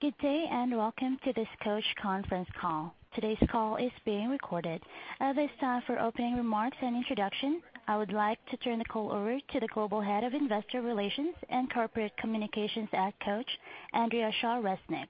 Good day, welcome to this Coach conference call. Today's call is being recorded. At this time, for opening remarks and introduction, I would like to turn the call over to the Global Head of Investor Relations and Corporate Communications at Coach, Andrea Shaw Resnick.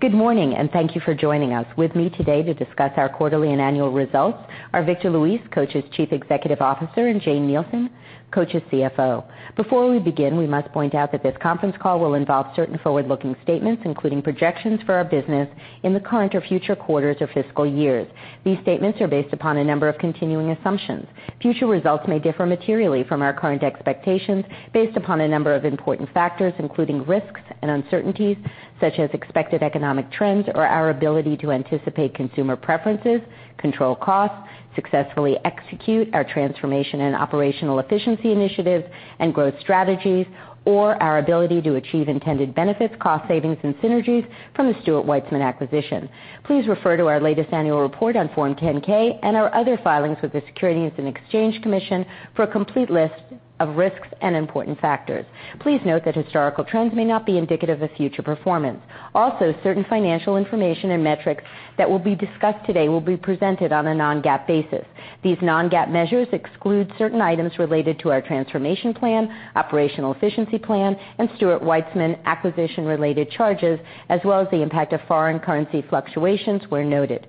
Good morning, thank you for joining us. With me today to discuss our quarterly and annual results are Victor Luis, Coach's Chief Executive Officer, and Jane Nielsen, Coach's CFO. Before we begin, we must point out that this conference call will involve certain forward-looking statements, including projections for our business in the current or future quarters or fiscal years. These statements are based upon a number of continuing assumptions. Future results may differ materially from our current expectations based upon a number of important factors, including risks and uncertainties such as expected economic trends or our ability to anticipate consumer preferences, control costs, successfully execute our transformation and operational efficiency initiatives and growth strategies, or our ability to achieve intended benefits, cost savings, and synergies from the Stuart Weitzman acquisition. Please refer to our latest annual report on Form 10-K and our other filings with the Securities and Exchange Commission for a complete list of risks and important factors. Please note that historical trends may not be indicative of future performance. Also, certain financial information and metrics that will be discussed today will be presented on a non-GAAP basis. These non-GAAP measures exclude certain items related to our transformation plan, operational efficiency plan, and Stuart Weitzman acquisition-related charges, as well as the impact of foreign currency fluctuations where noted.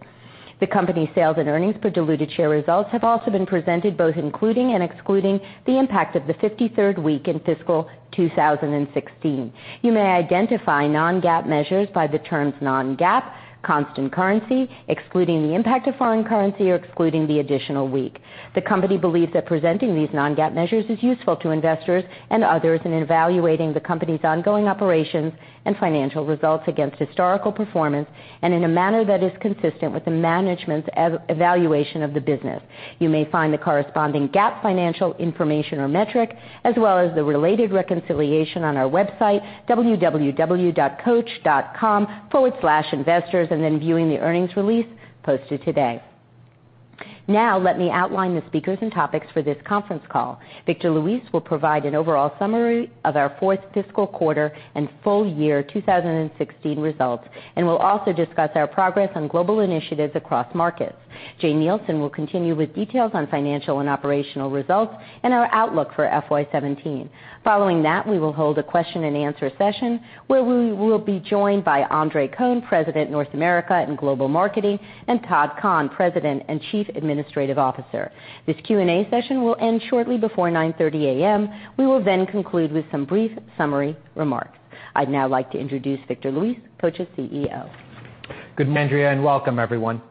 The company's sales and earnings per diluted share results have also been presented both including and excluding the impact of the 53rd week in fiscal 2016. You may identify non-GAAP measures by the terms non-GAAP, constant currency, excluding the impact of foreign currency, or excluding the additional week. The company believes that presenting these non-GAAP measures is useful to investors and others in evaluating the company's ongoing operations and financial results against historical performance, and in a manner that is consistent with the management's evaluation of the business. You may find the corresponding GAAP financial information or metric, as well as the related reconciliation on our website www.coach.com/investors, then viewing the earnings release posted today. Now let me outline the speakers and topics for this conference call. Victor Luis will provide an overall summary of our fourth fiscal quarter and full year 2016 results and will also discuss our progress on global initiatives across markets. Jane Nielsen will continue with details on financial and operational results and our outlook for FY17. Following that, we will hold a question-and-answer session where we will be joined by Andre Cohen, President, North America and Global Marketing, and Todd Kahn, President and Chief Administrative Officer. This Q&A session will end shortly before 9:30 A.M. We will conclude with some brief summary remarks. I'd now like to introduce Victor Luis, Coach's CEO. Good morning, Andrea, and welcome everyone.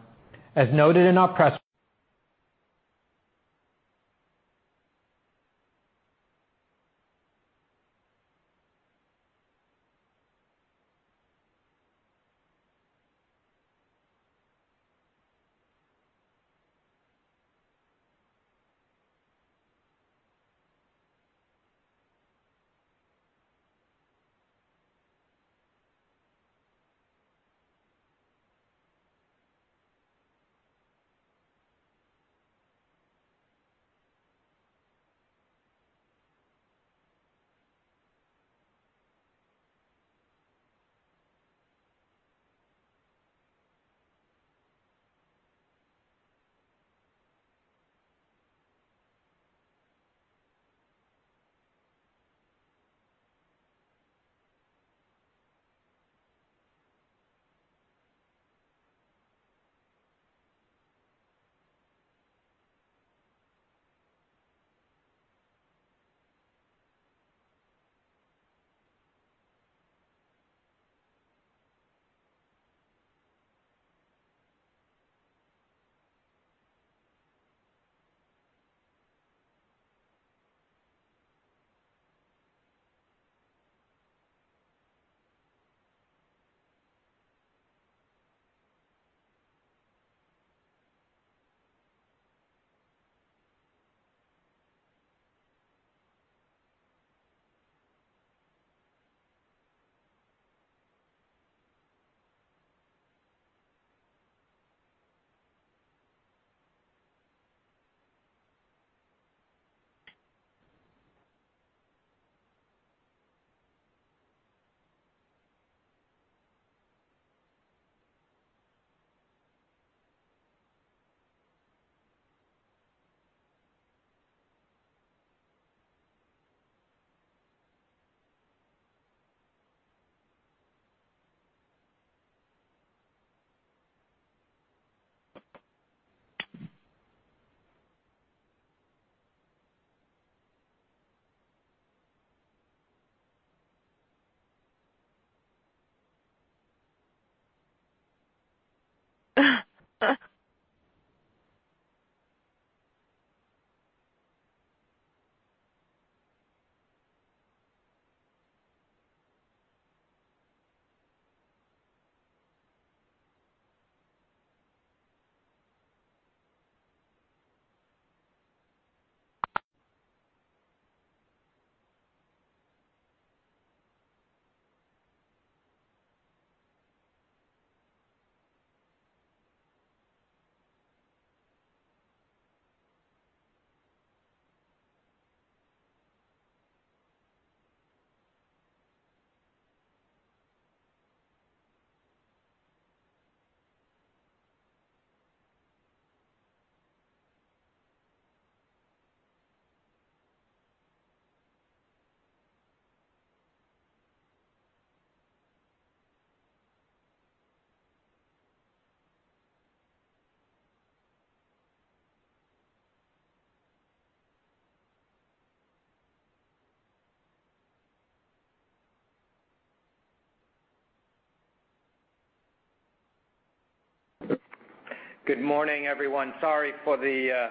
Good morning, everyone. Sorry for the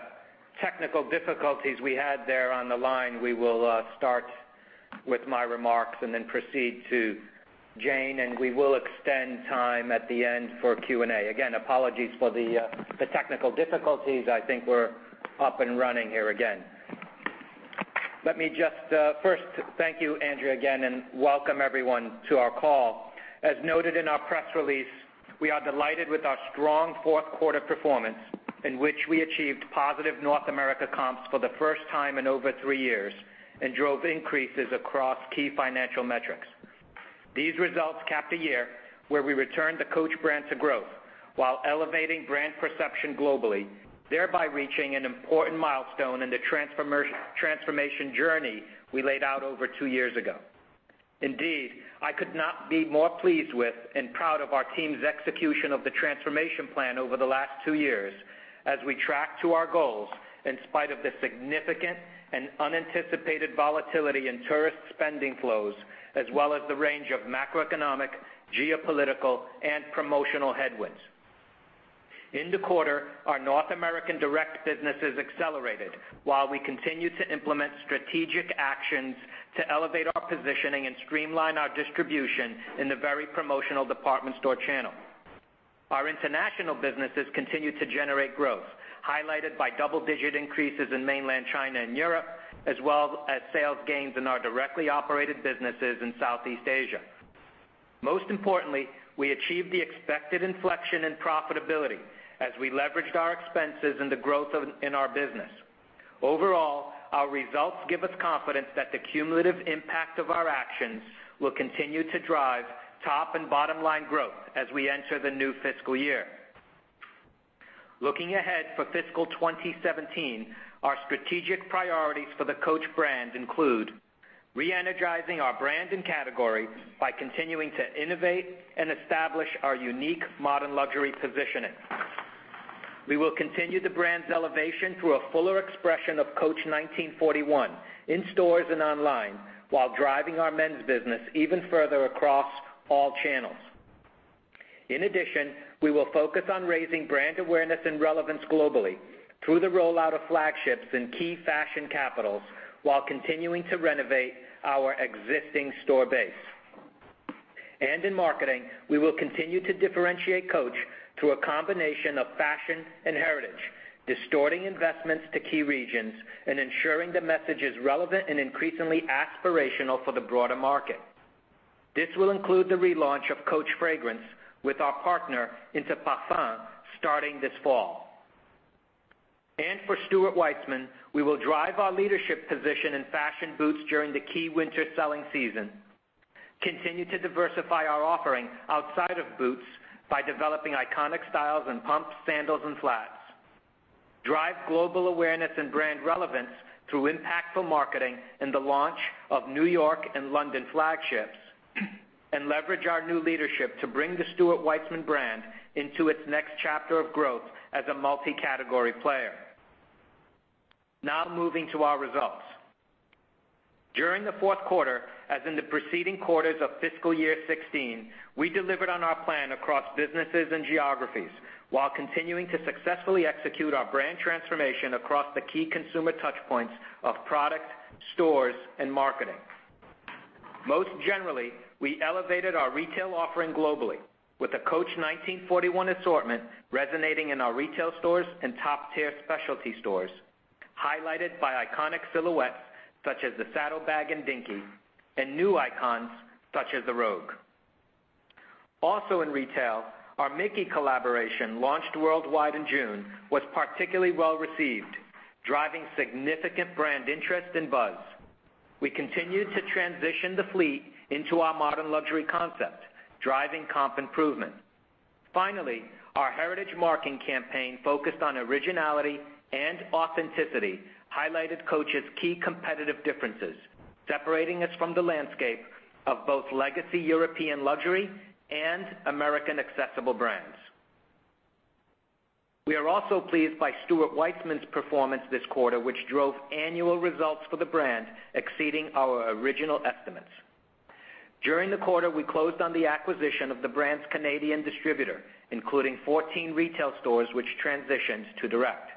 technical difficulties we had there on the line. We will start with my remarks, then proceed to Jane, we will extend time at the end for Q&A. Again, apologies for the technical difficulties. I think we're up and running here again. Let me just first thank you, Andrea, again, and welcome everyone to our call. As noted in our press release, we are delighted with our strong fourth quarter performance, in which we achieved positive North America comps for the first time in over three years and drove increases across key financial metrics. These results cap a year where we returned the Coach brand to growth while elevating brand perception globally, thereby reaching an important milestone in the transformation journey we laid out over two years ago. Indeed, I could not be more pleased with and proud of our team's execution of the transformation plan over the last two years, as we track to our goals in spite of the significant and unanticipated volatility in tourist spending flows, as well as the range of macroeconomic, geopolitical, and promotional headwinds. In the quarter, our North American direct businesses accelerated while we continued to implement strategic actions to elevate our positioning and streamline our distribution in the very promotional department store channel. Our international businesses continued to generate growth, highlighted by double-digit increases in Mainland China and Europe, as well as sales gains in our directly operated businesses in Southeast Asia. Most importantly, we achieved the expected inflection in profitability as we leveraged our expenses and the growth in our business. Overall, our results give us confidence that the cumulative impact of our actions will continue to drive top and bottom-line growth as we enter the new fiscal year. Looking ahead for fiscal 2017, our strategic priorities for the Coach brand include re-energizing our brand and category by continuing to innovate and establish our unique modern luxury positioning. We will continue the brand's elevation through a fuller expression of Coach 1941 in stores and online while driving our men's business even further across all channels. In addition, we will focus on raising brand awareness and relevance globally through the rollout of flagships in key fashion capitals while continuing to renovate our existing store base. In marketing, we will continue to differentiate Coach through a combination of fashion and heritage, distorting investments to key regions and ensuring the message is relevant and increasingly aspirational for the broader market. This will include the relaunch of Coach fragrance with our partner Interparfums starting this fall. For Stuart Weitzman, we will drive our leadership position in fashion boots during the key winter selling season, continue to diversify our offering outside of boots by developing iconic styles in pumps, sandals, and flats, drive global awareness and brand relevance through impactful marketing and the launch of New York and London flagships, and leverage our new leadership to bring the Stuart Weitzman brand into its next chapter of growth as a multi-category player. Now moving to our results. During the fourth quarter, as in the preceding quarters of fiscal year 2016, we delivered on our plan across businesses and geographies while continuing to successfully execute our brand transformation across the three key consumer touchpoints of product, stores, and marketing. Most generally, we elevated our retail offering globally with the Coach 1941 assortment resonating in our retail stores and top-tier specialty stores, highlighted by iconic silhouettes such as the Saddle bag and Dinky, and new icons such as the Rogue. Also in retail, our Mickey collaboration, launched worldwide in June, was particularly well-received, driving significant brand interest and buzz. We continued to transition the fleet into our modern luxury concept, driving comp improvement. Finally, our heritage marking campaign focused on originality and authenticity highlighted Coach's key competitive differences, separating us from the landscape of both legacy European luxury and American accessible brands. We are also pleased by Stuart Weitzman's performance this quarter, which drove annual results for the brand exceeding our original estimates. During the quarter, we closed on the acquisition of the brand's Canadian distributor, including 14 retail stores, which transitioned to direct.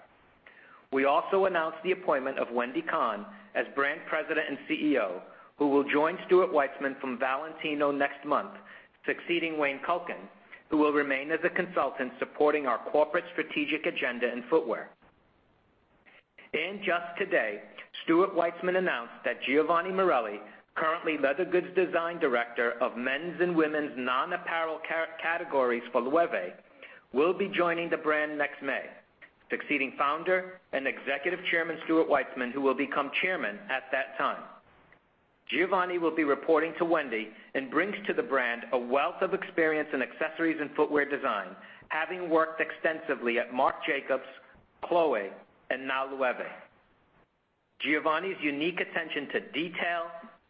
We also announced the appointment of Wendy Kahn as brand president and CEO, who will join Stuart Weitzman from Valentino next month, succeeding Wayne Kulkin, who will remain as a consultant supporting our corporate strategic agenda in footwear. Just today, Stuart Weitzman announced that Giovanni Morelli, currently leather goods Design Director of men's and women's non-apparel categories for Loewe, will be joining the brand next May, succeeding founder and Executive Chairman, Stuart Weitzman, who will become chairman at that time. Giovanni will be reporting to Wendy and brings to the brand a wealth of experience in accessories and footwear design, having worked extensively at Marc Jacobs, Chloé, and now Loewe. Giovanni's unique attention to detail,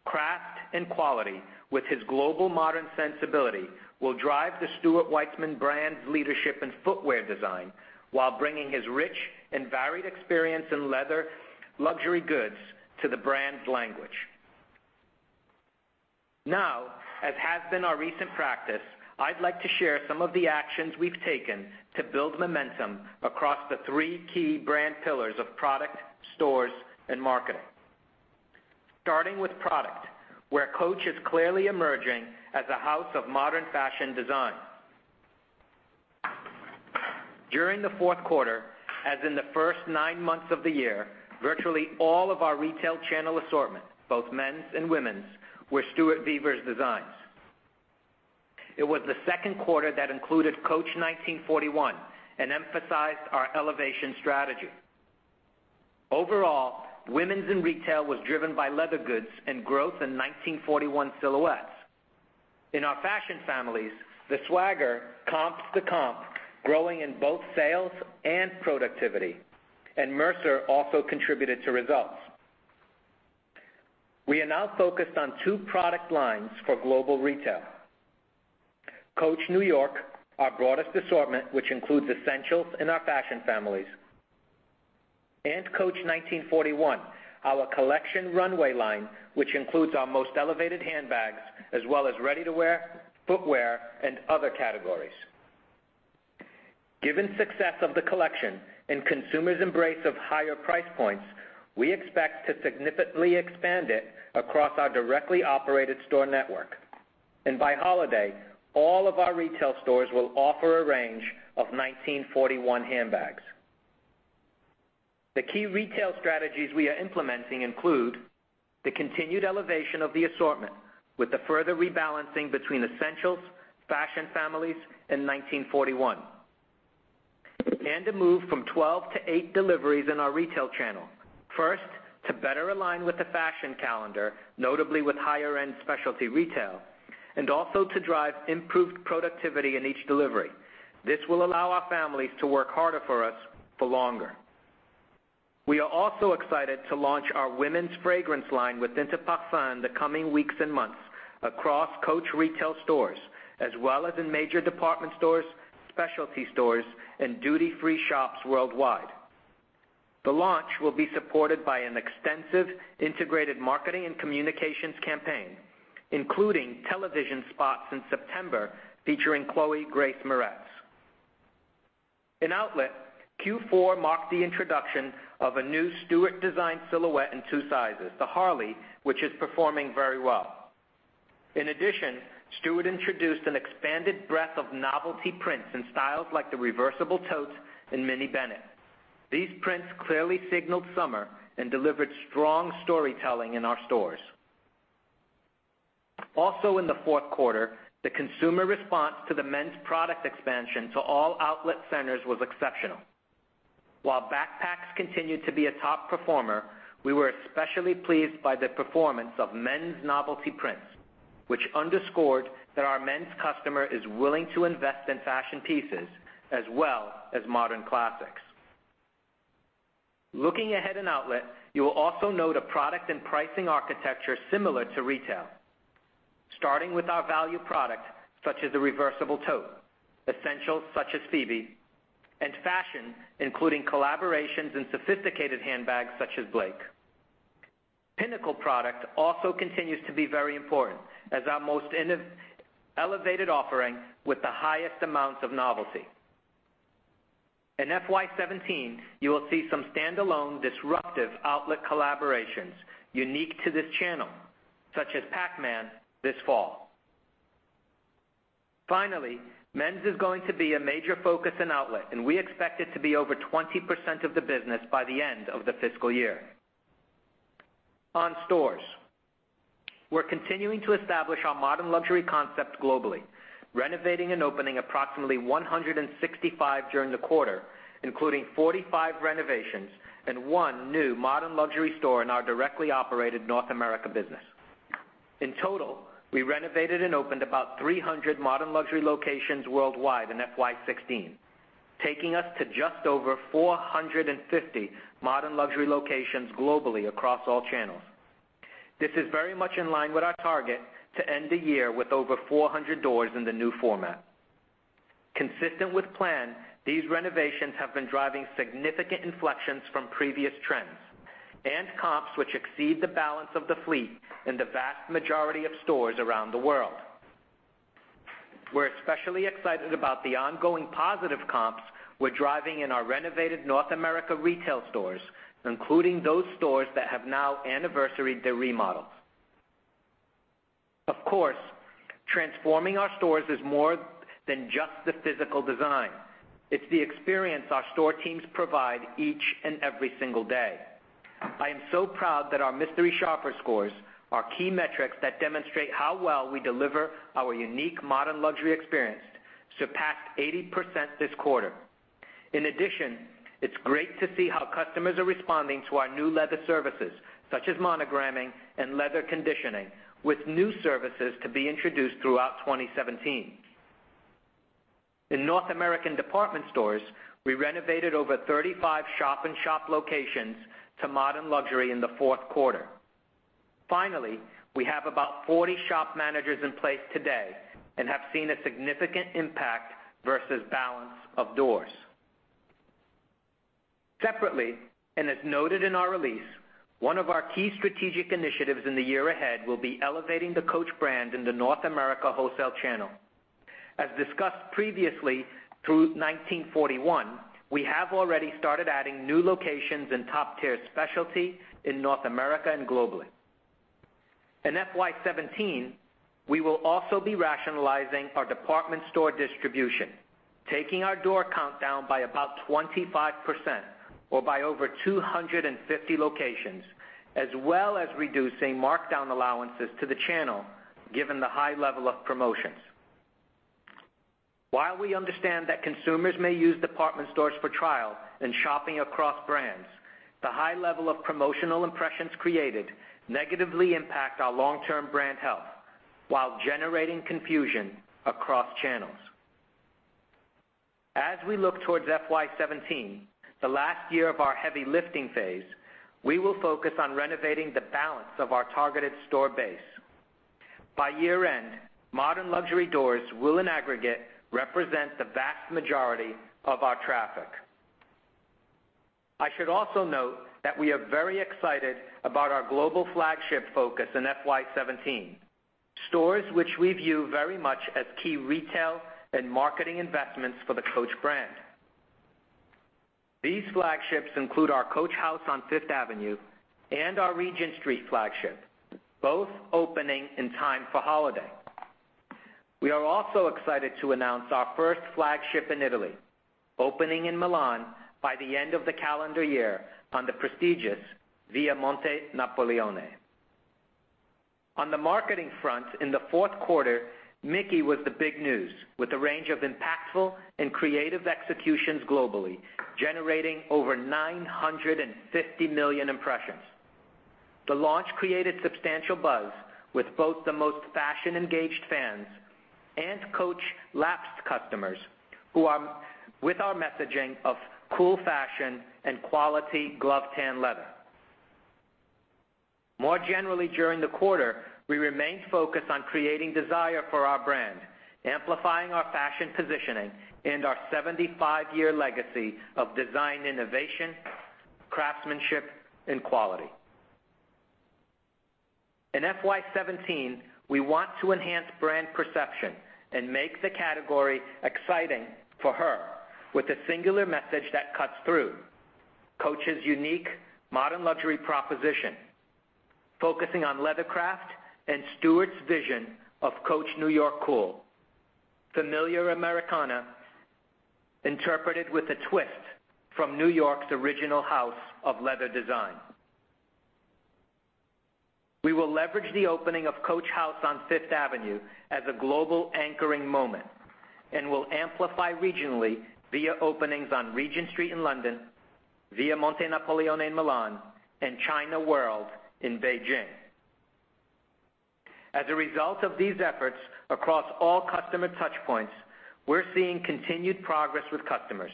craft, and quality with his global modern sensibility will drive the Stuart Weitzman brand's leadership in footwear design while bringing his rich and varied experience in leather luxury goods to the brand's language. Now, as has been our recent practice, I'd like to share some of the actions we've taken to build momentum across the three key brand pillars of product, stores, and marketing. Starting with product, where Coach is clearly emerging as a house of modern fashion design. During the fourth quarter, as in the first nine months of the year, virtually all of our retail channel assortment, both men's and women's, were Stuart Vevers' designs. It was the second quarter that included Coach 1941 and emphasized our elevation strategy. Overall, women's and retail was driven by leather goods and growth in 1941 silhouettes. In our fashion families, the Swagger comps the comp, growing in both sales and productivity. Mercer also contributed to results. We are now focused on two product lines for global retail. Coach New York, our broadest assortment, which includes essentials in our fashion families. Coach 1941, our collection runway line, which includes our most elevated handbags as well as ready-to-wear footwear and other categories. Given success of the collection and consumers' embrace of higher price points, we expect to significantly expand it across our directly operated store network. By holiday, all of our retail stores will offer a range of 1941 handbags. The key retail strategies we are implementing include the continued elevation of the assortment with the further rebalancing between essentials, fashion families, and 1941. A move from 12 to 8 deliveries in our retail channel. First, to better align with the fashion calendar, notably with higher-end specialty retail, and also to drive improved productivity in each delivery. This will allow our families to work harder for us for longer. We are also excited to launch our women's fragrance line with Interparfums the coming weeks and months across Coach retail stores, as well as in major department stores, specialty stores, and duty-free shops worldwide. The launch will be supported by an extensive integrated marketing and communications campaign, including television spots in September featuring Chloë Grace Moretz. In outlet, Q4 marked the introduction of a new Stuart designed silhouette in two sizes, the Harley, which is performing very well. In addition, Stuart introduced an expanded breadth of novelty prints and styles like the reversible totes and mini Bennett. These prints clearly signaled summer and delivered strong storytelling in our stores. Also in the fourth quarter, the consumer response to the men's product expansion to all outlet centers was exceptional. While backpacks continued to be a top performer, we were especially pleased by the performance of men's novelty prints, which underscored that our men's customer is willing to invest in fashion pieces as well as modern classics. Looking ahead in outlet, you will also note a product and pricing architecture similar to retail. Starting with our value product, such as the reversible tote, essentials such as Phoebe, and fashion, including collaborations in sophisticated handbags such as Blake. Pinnacle product also continues to be very important as our most elevated offering with the highest amounts of novelty. In FY 2017, you will see some standalone disruptive outlet collaborations unique to this channel, such as Pac-Man this fall. Finally, men's is going to be a major focus in outlet, and we expect it to be over 20% of the business by the end of the fiscal year. On stores, we're continuing to establish our modern luxury concept globally, renovating and opening approximately 165 during the quarter, including 45 renovations and one new modern luxury store in our directly operated North America business. In total, we renovated and opened about 300 modern luxury locations worldwide in FY 2016, taking us to just over 450 modern luxury locations globally across all channels. This is very much in line with our target to end the year with over 400 doors in the new format. Consistent with plan, these renovations have been driving significant inflections from previous trends and comps which exceed the balance of the fleet in the vast majority of stores around the world. We're especially excited about the ongoing positive comps we're driving in our renovated North America retail stores, including those stores that have now anniversaried their remodels. Transforming our stores is more than just the physical design. It's the experience our store teams provide each and every single day. I am so proud that our mystery shopper scores, our key metrics that demonstrate how well we deliver our unique modern luxury experience, surpassed 80% this quarter. In addition, it's great to see how customers are responding to our new leather services, such as monogramming and leather conditioning, with new services to be introduced throughout 2017. In North American department stores, we renovated over 35 shop-in-shop locations to modern luxury in the fourth quarter. Finally, we have about 40 shop managers in place today and have seen a significant impact versus balance of doors. Separately, as noted in our release, one of our key strategic initiatives in the year ahead will be elevating the Coach brand in the North America wholesale channel. Through Coach 1941, we have already started adding new locations in top-tier specialty in North America and globally. In FY 2017, we will also be rationalizing our department store distribution, taking our door count down by about 25%, or by over 250 locations, as well as reducing markdown allowances to the channel, given the high level of promotions. While we understand that consumers may use department stores for trial and shopping across brands, the high level of promotional impressions created negatively impact our long-term brand health while generating confusion across channels. As we look towards FY 2017, the last year of our heavy lifting phase, we will focus on renovating the balance of our targeted store base. By year-end, modern luxury doors will, in aggregate, represent the vast majority of our traffic. We are very excited about our global flagship focus in FY 2017, stores which we view very much as key retail and marketing investments for the Coach brand. These flagships include our Coach House on Fifth Avenue and our Regent Street flagship, both opening in time for holiday. We are also excited to announce our first flagship in Italy, opening in Milan by the end of the calendar year on the prestigious Via Monte Napoleone. On the marketing front in the fourth quarter, Mickey was the big news, with a range of impactful and creative executions globally, generating over 950 million impressions. The launch created substantial buzz with both the most fashion-engaged fans and Coach-lapsed customers with our messaging of cool fashion and quality glove-tanned leather. We remained focused on creating desire for our brand, amplifying our fashion positioning and our 75-year legacy of design innovation, craftsmanship, and quality. In FY 2017, we want to enhance brand perception and make the category exciting for her, with a singular message that cuts through Coach's unique modern luxury proposition, focusing on leathercraft and Stuart's vision of Coach New York cool, familiar Americana interpreted with a twist from New York's original house of leather design. We will leverage the opening of Coach House on Fifth Avenue as a global anchoring moment and will amplify regionally via openings on Regent Street in London, Via Monte Napoleone in Milan, and China World in Beijing. As a result of these efforts across all customer touch points, we're seeing continued progress with customers.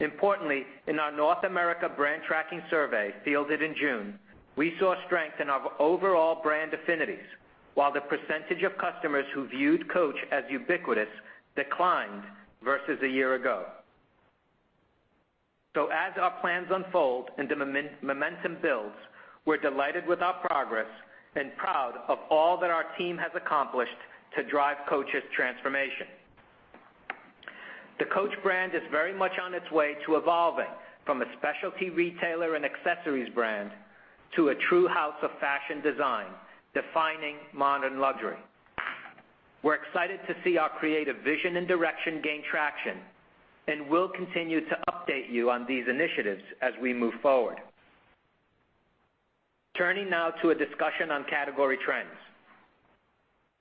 Importantly, in our North America brand tracking survey fielded in June, we saw strength in our overall brand affinities, while the percentage of customers who viewed Coach as ubiquitous declined versus a year ago. As our plans unfold and the momentum builds, we're delighted with our progress and proud of all that our team has accomplished to drive Coach's transformation. The Coach brand is very much on its way to evolving from a specialty retailer and accessories brand to a true house of fashion design, defining modern luxury. We're excited to see our creative vision and direction gain traction, and we'll continue to update you on these initiatives as we move forward. Turning now to a discussion on category trends.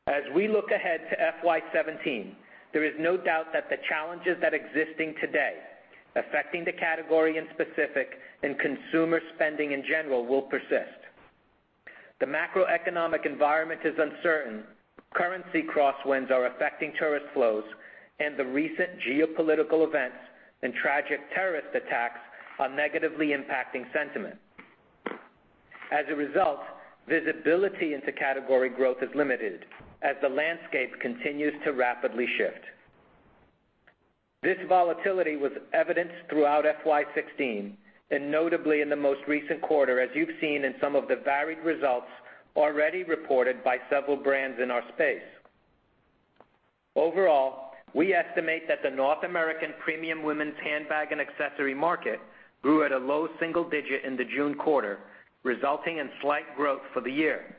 As we look ahead to FY 2017, there is no doubt that the challenges that existing today, affecting the category in specific and consumer spending in general, will persist. The macroeconomic environment is uncertain, currency crosswinds are affecting tourist flows, and the recent geopolitical events and tragic terrorist attacks are negatively impacting sentiment. As a result, visibility into category growth is limited as the landscape continues to rapidly shift. This volatility was evidenced throughout FY 2016 and notably in the most recent quarter, as you've seen in some of the varied results already reported by several brands in our space. Overall, we estimate that the North American premium women's handbag and accessory market grew at a low single-digit in the June quarter, resulting in slight growth for the year.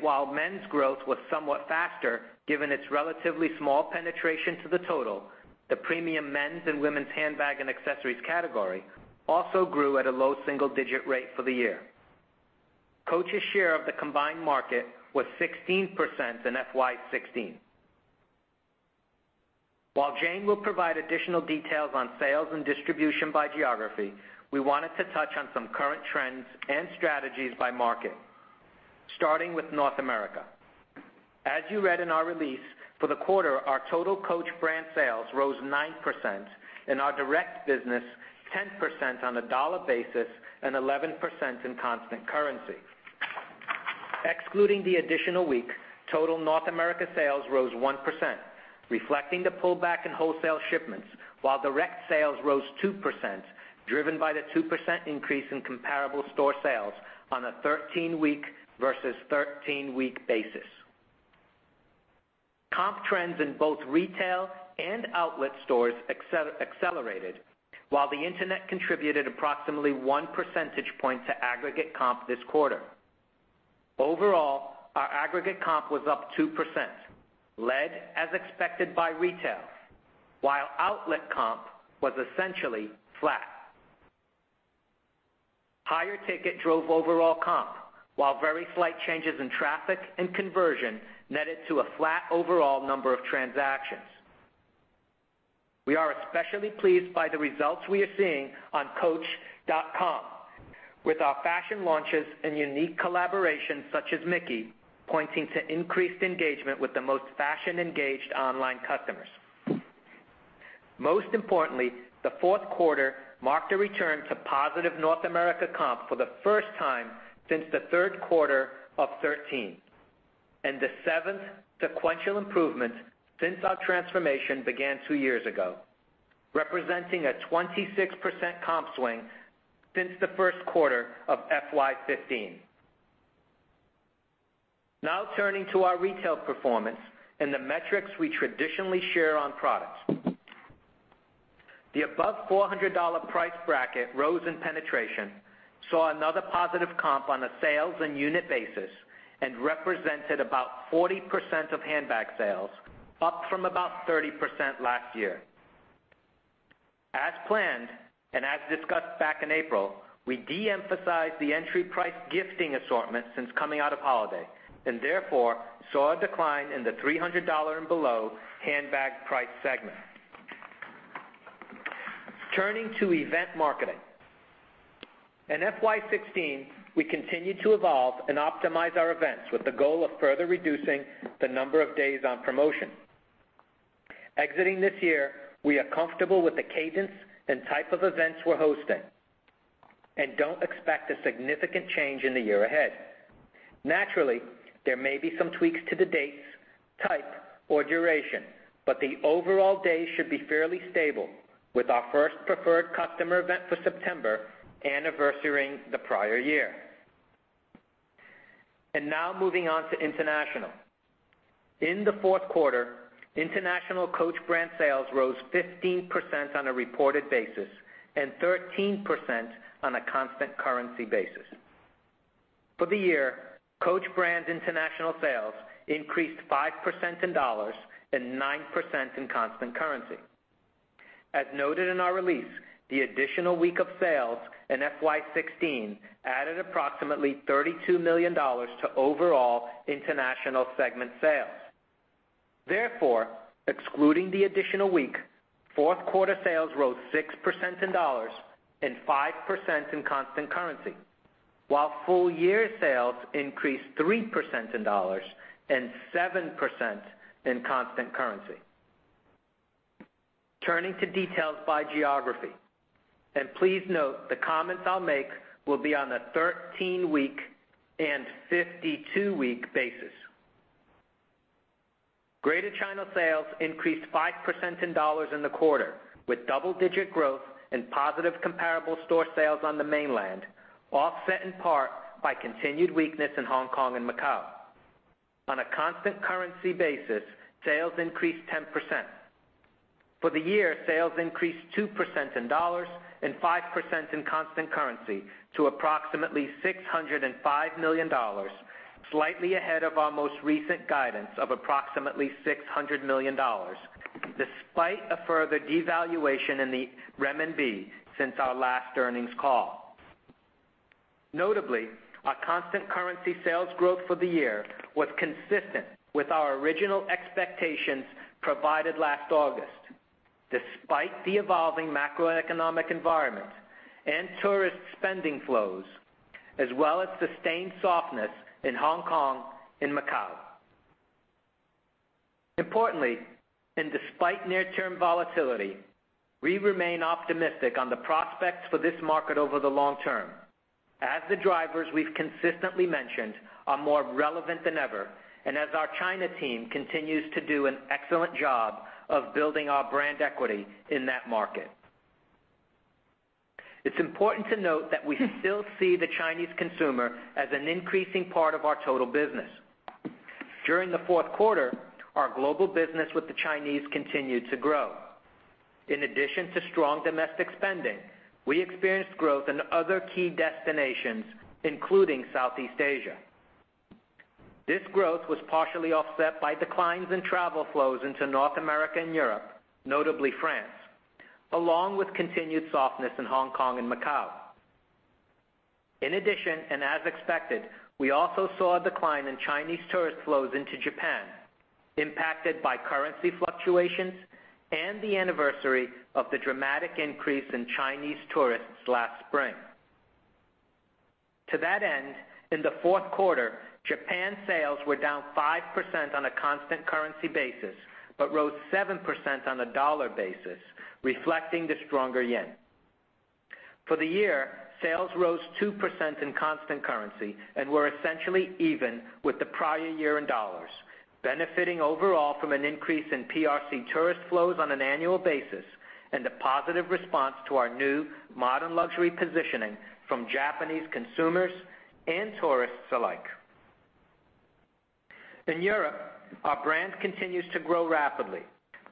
While men's growth was somewhat faster, given its relatively small penetration to the total, the premium men's and women's handbag and accessories category also grew at a low single-digit rate for the year. Coach's share of the combined market was 16% in FY 2016. While Jane will provide additional details on sales and distribution by geography, we wanted to touch on some current trends and strategies by market, starting with North America. As you read in our release, for the quarter, our total Coach brand sales rose 9%, and our direct business 10% on a dollar basis and 11% in constant currency. Excluding the additional week, total North America sales rose 1%, reflecting the pullback in wholesale shipments, while direct sales rose 2%, driven by the 2% increase in comparable store sales on a 13-week versus 13-week basis. Comp trends in both retail and outlet stores accelerated, while the internet contributed approximately one percentage point to aggregate comp this quarter. Overall, our aggregate comp was up 2%, led, as expected, by retail, while outlet comp was essentially flat. Higher ticket drove overall comp, while very slight changes in traffic and conversion netted to a flat overall number of transactions. We are especially pleased by the results we are seeing on coach.com, with our fashion launches and unique collaborations such as Mickey, pointing to increased engagement with the most fashion-engaged online customers. Most importantly, the fourth quarter marked a return to positive North America comp for the first time since the third quarter of 2013 and the seventh sequential improvement since our transformation began two years ago, representing a 26% comp swing since the first quarter of FY 2015. Turning to our retail performance and the metrics we traditionally share on products. The above $400 price bracket rose in penetration, saw another positive comp on a sales and unit basis, and represented about 40% of handbag sales, up from about 30% last year. As planned, and as discussed back in April, we de-emphasized the entry price gifting assortment since coming out of holiday and therefore, saw a decline in the $300 and below handbag price segment. Turning to event marketing. In FY 2016, we continued to evolve and optimize our events with the goal of further reducing the number of days on promotion. Exiting this year, we are comfortable with the cadence and type of events we're hosting and don't expect a significant change in the year ahead. Naturally, there may be some tweaks to the dates, type, or duration, but the overall days should be fairly stable with our first preferred customer event for September anniversarying the prior year. Now moving on to international. In the fourth quarter, international Coach brand sales rose 15% on a reported basis and 13% on a constant currency basis. For the year, Coach brand international sales increased 5% in USD and 9% in constant currency. As noted in our release, the additional week of sales in FY 2016 added approximately $32 million to overall international segment sales. Excluding the additional week, fourth quarter sales rose 6% in USD and 5% in constant currency, while full-year sales increased 3% in USD and 7% in constant currency. Turning to details by geography. Please note the comments I'll make will be on the 13-week and 52-week basis. Greater China sales increased 5% in USD in the quarter, with double-digit growth and positive comparable store sales on the mainland, offset in part by continued weakness in Hong Kong and Macau. On a constant currency basis, sales increased 10%. For the year, sales increased 2% in USD and 5% in constant currency to approximately $605 million, slightly ahead of our most recent guidance of approximately $600 million, despite a further devaluation in the CNY since our last earnings call. Notably, our constant currency sales growth for the year was consistent with our original expectations provided last August, despite the evolving macroeconomic environment and tourist spending flows, as well as sustained softness in Hong Kong and Macau. Importantly, and despite near-term volatility, we remain optimistic on the prospects for this market over the long term, as the drivers we've consistently mentioned are more relevant than ever and as our China team continues to do an excellent job of building our brand equity in that market. It's important to note that we still see the Chinese consumer as an increasing part of our total business. During the fourth quarter, our global business with the Chinese continued to grow. In addition to strong domestic spending, we experienced growth in other key destinations, including Southeast Asia. This growth was partially offset by declines in travel flows into North America and Europe, notably France, along with continued softness in Hong Kong and Macau. In addition, and as expected, we also saw a decline in Chinese tourist flows into Japan, impacted by currency fluctuations and the anniversary of the dramatic increase in Chinese tourists last spring. To that end, in the fourth quarter, Japan sales were down 5% on a constant currency basis, but rose 7% on a USD basis, reflecting the stronger JPY. For the year, sales rose 2% in constant currency and were essentially even with the prior year in dollars, benefiting overall from an increase in PRC tourist flows on an annual basis and a positive response to our new modern luxury positioning from Japanese consumers and tourists alike. In Europe, our brand continues to grow rapidly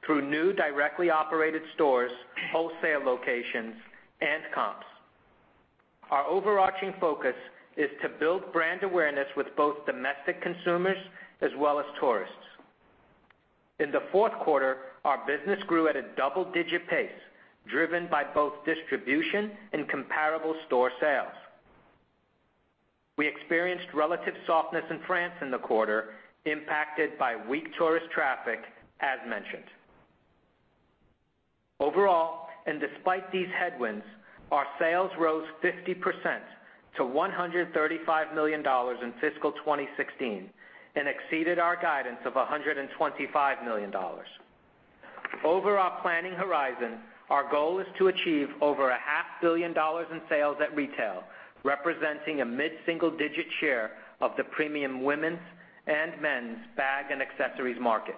through new directly operated stores, wholesale locations, and comps. Our overarching focus is to build brand awareness with both domestic consumers as well as tourists. In the fourth quarter, our business grew at a double-digit pace, driven by both distribution and comparable store sales. We experienced relative softness in France in the quarter, impacted by weak tourist traffic, as mentioned. Overall, and despite these headwinds, our sales rose 50% to $135 million in fiscal 2016 and exceeded our guidance of $125 million. Over our planning horizon, our goal is to achieve over a half billion dollars in sales at retail, representing a mid-single-digit share of the premium women's and men's bag and accessories market.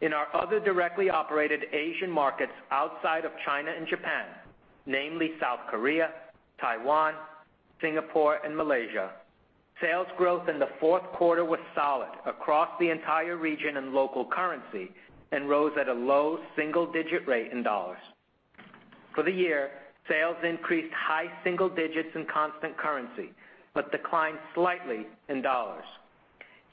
In our other directly operated Asian markets outside of China and Japan, namely South Korea, Taiwan, Singapore, and Malaysia, sales growth in the fourth quarter was solid across the entire region in local currency and rose at a low single-digit rate in dollars. For the year, sales increased high single digits in constant currency, declined slightly in dollars.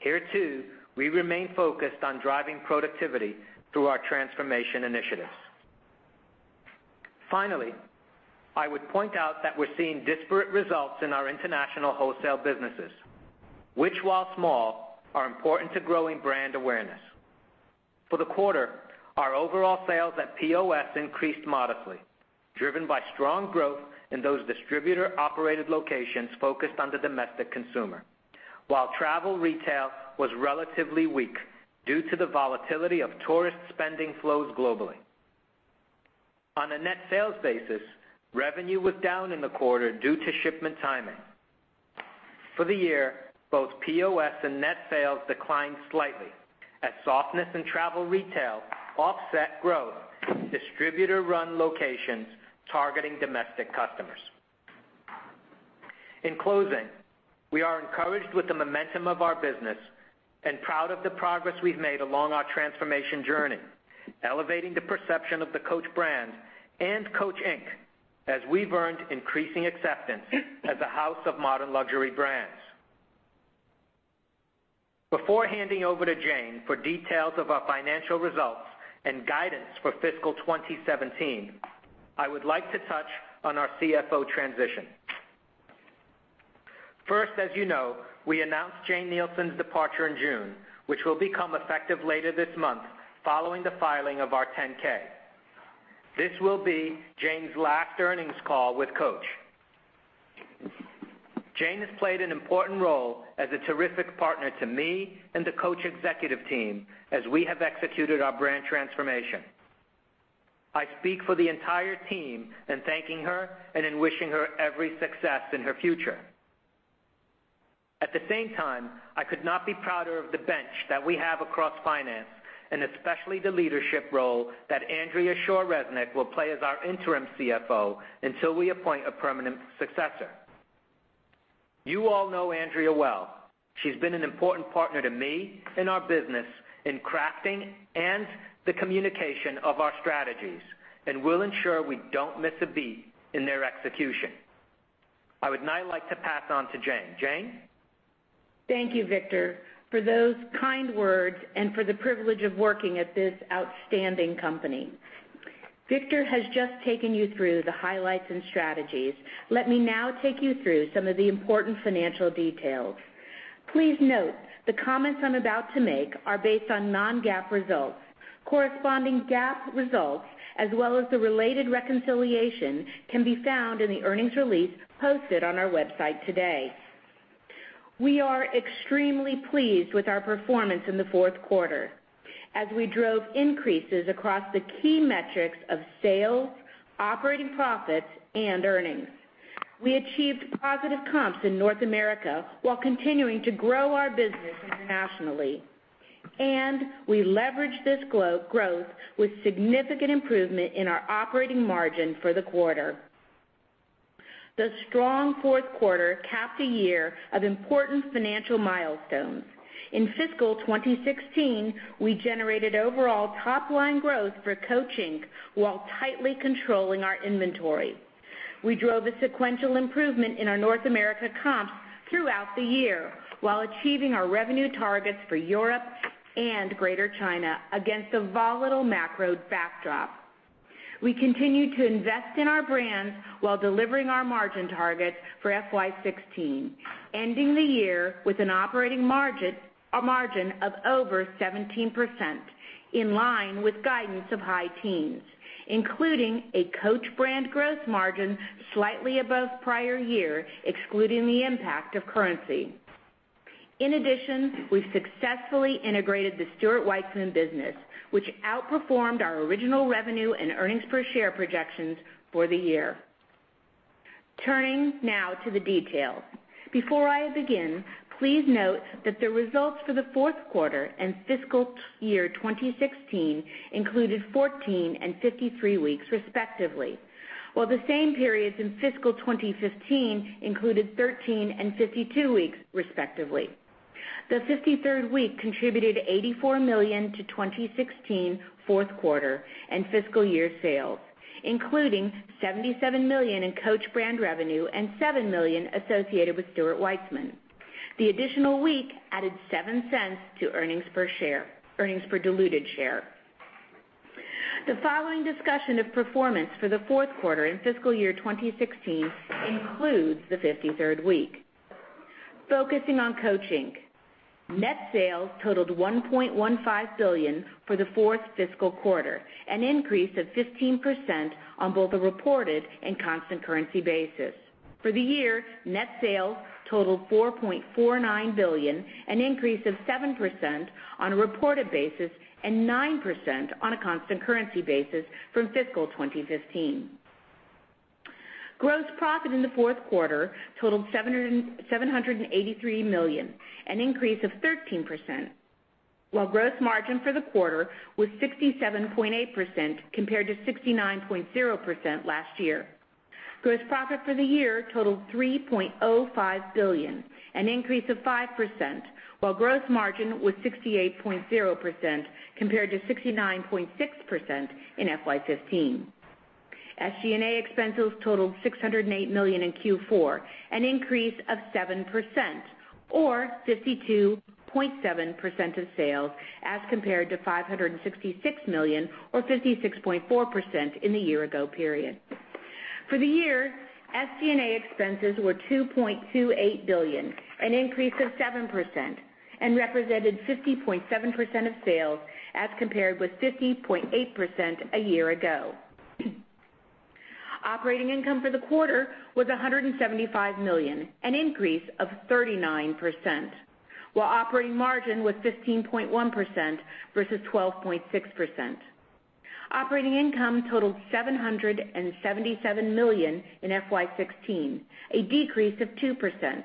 Here too, we remain focused on driving productivity through our transformation initiatives. Finally, I would point out that we're seeing disparate results in our international wholesale businesses, which, while small, are important to growing brand awareness. For the quarter, our overall sales at POS increased modestly, driven by strong growth in those distributor-operated locations focused on the domestic consumer, while travel retail was relatively weak due to the volatility of tourist spending flows globally. On a net sales basis, revenue was down in the quarter due to shipment timing. For the year, both POS and net sales declined slightly as softness in travel retail offset growth in distributor-run locations targeting domestic customers. In closing, we are encouraged with the momentum of our business and proud of the progress we've made along our transformation journey, elevating the perception of the Coach brand and Coach, Inc. as we've earned increasing acceptance as a house of modern luxury brands. Before handing over to Jane for details of our financial results and guidance for fiscal 2017, I would like to touch on our CFO transition. As you know, we announced Jane Nielsen's departure in June, which will become effective later this month following the filing of our 10-K. This will be Jane's last earnings call with Coach. Jane has played an important role as a terrific partner to me and the Coach executive team as we have executed our brand transformation. I speak for the entire team in thanking her and in wishing her every success in her future. At the same time, I could not be prouder of the bench that we have across finance, and especially the leadership role that Andrea Shaw Resnick will play as our interim CFO until we appoint a permanent successor. You all know Andrea well. She's been an important partner to me and our business in crafting and the communication of our strategies and will ensure we don't miss a beat in their execution. I would now like to pass on to Jane. Jane? Thank you, Victor, for those kind words and for the privilege of working at this outstanding company. Victor has just taken you through the highlights and strategies. Let me now take you through some of the important financial details. Please note the comments I'm about to make are based on non-GAAP results. Corresponding GAAP results, as well as the related reconciliation, can be found in the earnings release posted on our website today. We are extremely pleased with our performance in the fourth quarter as we drove increases across the key metrics of sales, operating profits, and earnings. We achieved positive comps in North America while continuing to grow our business internationally. We leveraged this growth with significant improvement in our operating margin for the quarter. The strong fourth quarter capped a year of important financial milestones. In fiscal 2016, we generated overall top-line growth for Coach, Inc. while tightly controlling our inventory. We drove a sequential improvement in our North America comps throughout the year, while achieving our revenue targets for Europe and Greater China against a volatile macro backdrop. We continued to invest in our brands while delivering our margin targets for FY 2016, ending the year with an operating margin of over 17%, in line with guidance of high teens, including a Coach brand gross margin slightly above prior year, excluding the impact of currency. In addition, we successfully integrated the Stuart Weitzman business, which outperformed our original revenue and earnings per share projections for the year. Turning now to the details. Before I begin, please note that the results for the fourth quarter and fiscal year 2016 included 14 and 53 weeks respectively, while the same periods in fiscal 2015 included 13 and 52 weeks respectively. The 53rd week contributed $84 million to 2016 fourth quarter and fiscal year sales, including $77 million in Coach brand revenue and $7 million associated with Stuart Weitzman. The additional week added $0.07 to earnings per diluted share. The following discussion of performance for the fourth quarter and fiscal year 2016 includes the 53rd week. Focusing on Coach, Inc. Net sales totaled $1.15 billion for the fourth fiscal quarter, an increase of 15% on both a reported and constant currency basis. For the year, net sales totaled $4.49 billion, an increase of 7% on a reported basis and 9% on a constant currency basis from fiscal 2015. Gross profit in the fourth quarter totaled $783 million, an increase of 13%, while gross margin for the quarter was 67.8% compared to 69.0% last year. Gross profit for the year totaled $3.05 billion, an increase of 5%, while gross margin was 68.0% compared to 69.6% in FY 2015. SG&A expenses totaled $608 million in Q4, an increase of 7% or 52.7% of sales as compared to $566 million or 56.4% in the year ago period. For the year, SG&A expenses were $2.28 billion, an increase of 7%, and represented 50.7% of sales as compared with 50.8% a year ago. Operating income for the quarter was $175 million, an increase of 39%, while operating margin was 15.1% versus 12.6%. Operating income totaled $777 million in FY 2016, a decrease of 2%,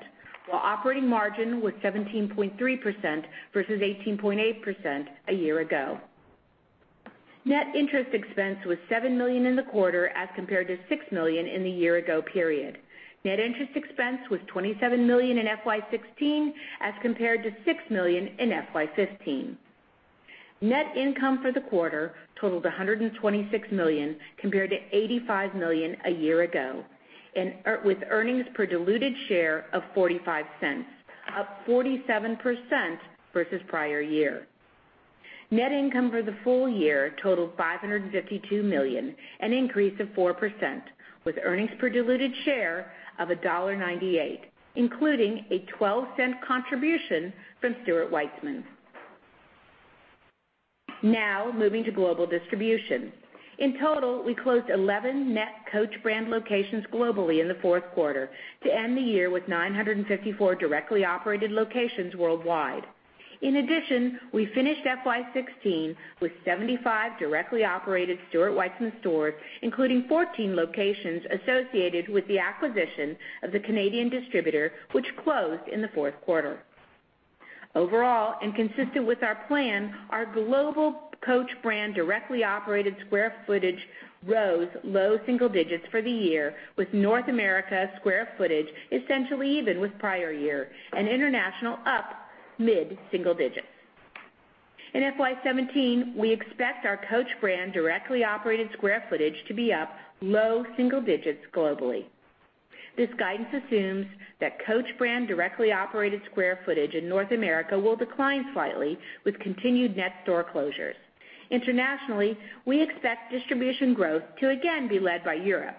while operating margin was 17.3% versus 18.8% a year ago. Net interest expense was $7 million in the quarter as compared to $6 million in the year ago period. Net interest expense was $27 million in FY 2016 as compared to $6 million in FY 2015. Net income for the quarter totaled $126 million compared to $85 million a year ago, with earnings per diluted share of $0.45, up 47% versus prior year. Net income for the full year totaled $552 million, an increase of 4%, with earnings per diluted share of $1.98, including a $0.12 contribution from Stuart Weitzman. Moving to global distribution. In total, we closed 11 net Coach brand locations globally in the fourth quarter to end the year with 954 directly operated locations worldwide. In addition, we finished FY 2016 with 75 directly operated Stuart Weitzman stores, including 14 locations associated with the acquisition of the Canadian distributor, which closed in the fourth quarter. Overall, consistent with our plan, our global Coach brand directly operated square footage rose low single digits for the year, with North America square footage essentially even with prior year and international up mid single digits. In FY 2017, we expect our Coach brand directly operated square footage to be up low single digits globally. This guidance assumes that Coach brand directly operated square footage in North America will decline slightly with continued net store closures. Internationally, we expect distribution growth to again be led by Europe,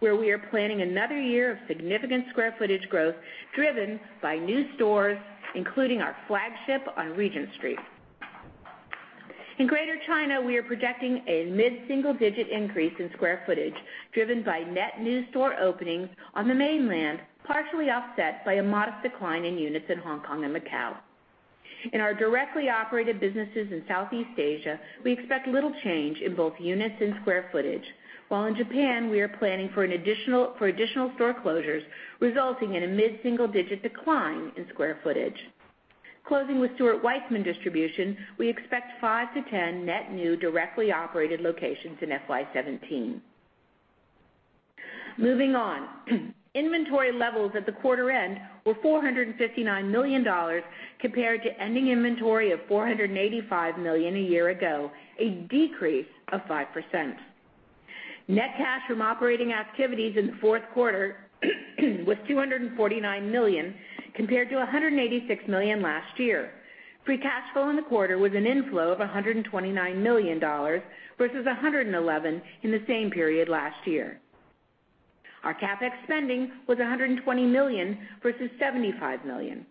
where we are planning another year of significant square footage growth driven by new stores, including our flagship on Regent Street. In Greater China, we are projecting a mid-single digit increase in square footage driven by net new store openings on the mainland, partially offset by a modest decline in units in Hong Kong and Macau. In our directly operated businesses in Southeast Asia, we expect little change in both units and square footage, while in Japan, we are planning for additional store closures resulting in a mid-single digit decline in square footage. Closing with Stuart Weitzman distribution, we expect 5-10 net new directly operated locations in FY 2017. Moving on. Inventory levels at the quarter end were $459 million compared to ending inventory of $485 million a year ago, a decrease of 5%. Net cash from operating activities in the fourth quarter was $249 million, compared to $186 million last year. Free cash flow in the quarter was an inflow of $129 million, versus $111 million in the same period last year. Our CapEx spending was $120 million versus $75 million.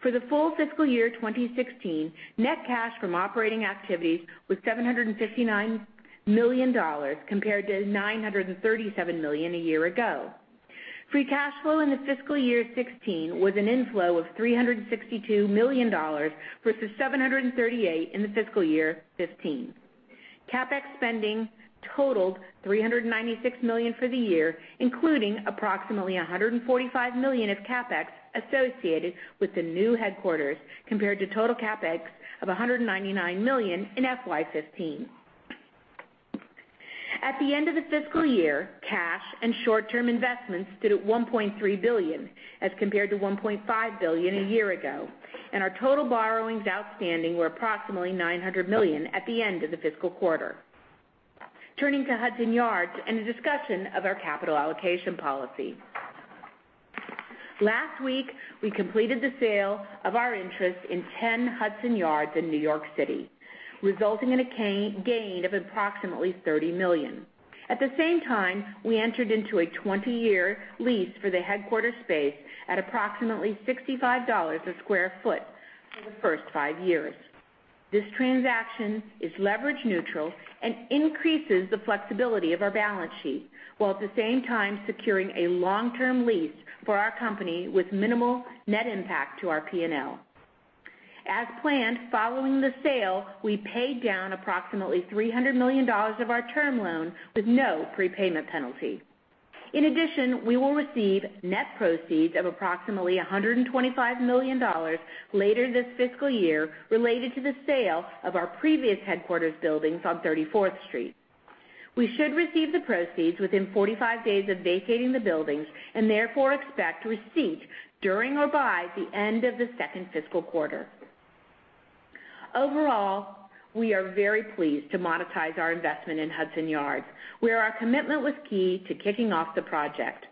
For the full fiscal year 2016, net cash from operating activities was $759 million, compared to $937 million a year ago. Free cash flow in the fiscal year 2016 was an inflow of $362 million, versus $738 million in the fiscal year 2015. CapEx spending totaled $396 million for the year, including approximately $145 million of CapEx associated with the new headquarters, compared to total CapEx of $199 million in FY 2015. At the end of the fiscal year, cash and short-term investments stood at $1.3 billion as compared to $1.5 billion a year ago, and our total borrowings outstanding were approximately $900 million at the end of the fiscal quarter. Turning to Hudson Yards and a discussion of our capital allocation policy. Last week, we completed the sale of our interest in 10 Hudson Yards in New York City, resulting in a gain of approximately $30 million. At the same time, we entered into a 20-year lease for the headquarters space at approximately $65 a square foot for the first five years. This transaction is leverage neutral and increases the flexibility of our balance sheet, while at the same time securing a long-term lease for our company with minimal net impact to our P&L. As planned, following the sale, we paid down approximately $300 million of our term loan with no prepayment penalty. In addition, we will receive net proceeds of approximately $125 million later this fiscal year related to the sale of our previous headquarters buildings on 34th Street. We should receive the proceeds within 45 days of vacating the buildings and therefore expect receipt during or by the end of the second fiscal quarter. Overall, we are very pleased to monetize our investment in Hudson Yards, where our commitment was key to kicking off the project.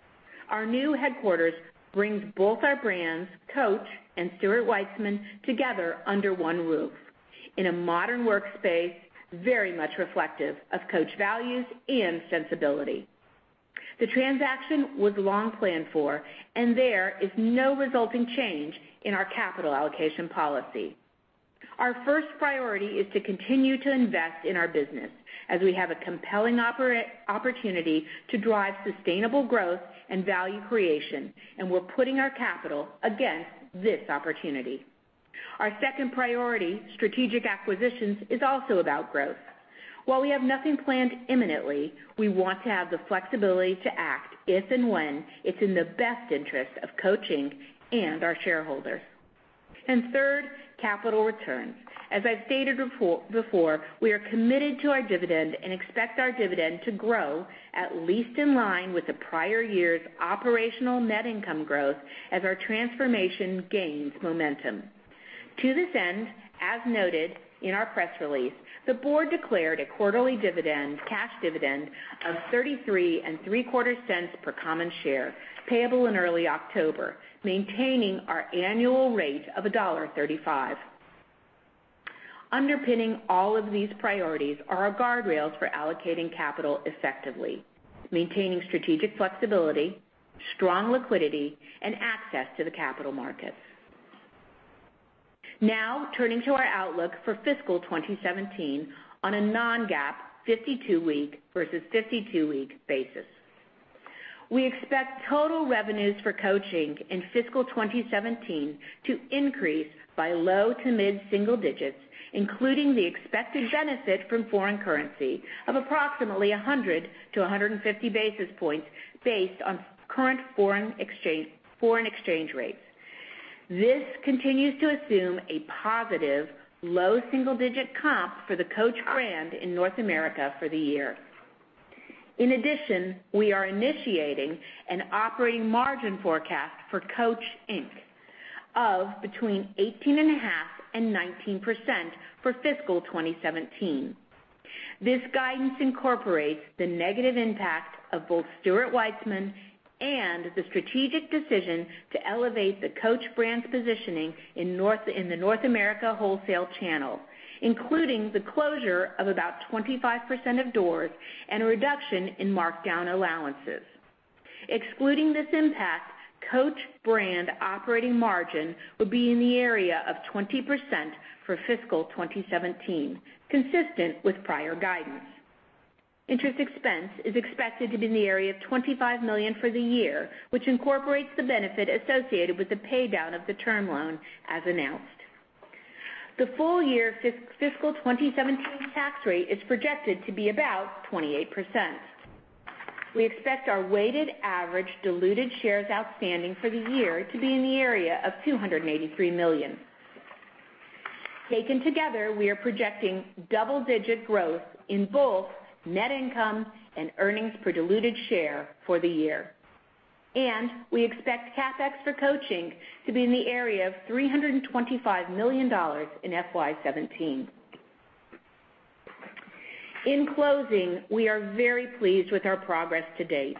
Our new headquarters brings both our brands, Coach and Stuart Weitzman, together under one roof in a modern workspace, very much reflective of Coach values and sensibility. The transaction was long planned for, and there is no resulting change in our capital allocation policy. Our first priority is to continue to invest in our business as we have a compelling opportunity to drive sustainable growth and value creation, and we're putting our capital against this opportunity. Our second priority, strategic acquisitions, is also about growth. While we have nothing planned imminently, we want to have the flexibility to act if and when it's in the best interest of Coach and our shareholders. And third, capital returns. As I've stated before, we are committed to our dividend and expect our dividend to grow at least in line with the prior year's operational net income growth as our transformation gains momentum. To this end, as noted in our press release, the board declared a quarterly cash dividend of $0.3375 per common share, payable in early October, maintaining our annual rate of $1.35. Underpinning all of these priorities are our guardrails for allocating capital effectively, maintaining strategic flexibility, strong liquidity, and access to the capital markets. Now turning to our outlook for fiscal 2017 on a non-GAAP 52-week versus 52-week basis. We expect total revenues for Coach, Inc. in fiscal 2017 to increase by low to mid single digits, including the expected benefit from foreign currency of approximately 100 to 150 basis points based on current foreign exchange rates. This continues to assume a positive low single-digit comp for the Coach brand in North America for the year. In addition, we are initiating an operating margin forecast for Coach, Inc. of between 18.5% and 19% for fiscal 2017. This guidance incorporates the negative impact of both Stuart Weitzman and the strategic decision to elevate the Coach brand's positioning in the North America wholesale channel, including the closure of about 25% of doors and a reduction in markdown allowances. Excluding this impact, Coach brand operating margin would be in the area of 20% for fiscal 2017, consistent with prior guidance. Interest expense is expected to be in the area of $25 million for the year, which incorporates the benefit associated with the paydown of the term loan as announced. The full year fiscal 2017 tax rate is projected to be about 28%. We expect our weighted average diluted shares outstanding for the year to be in the area of 283 million. Taken together, we are projecting double-digit growth in both net income and earnings per diluted share for the year. We expect CapEx for Coach to be in the area of $325 million in FY17. In closing, we are very pleased with our progress to date.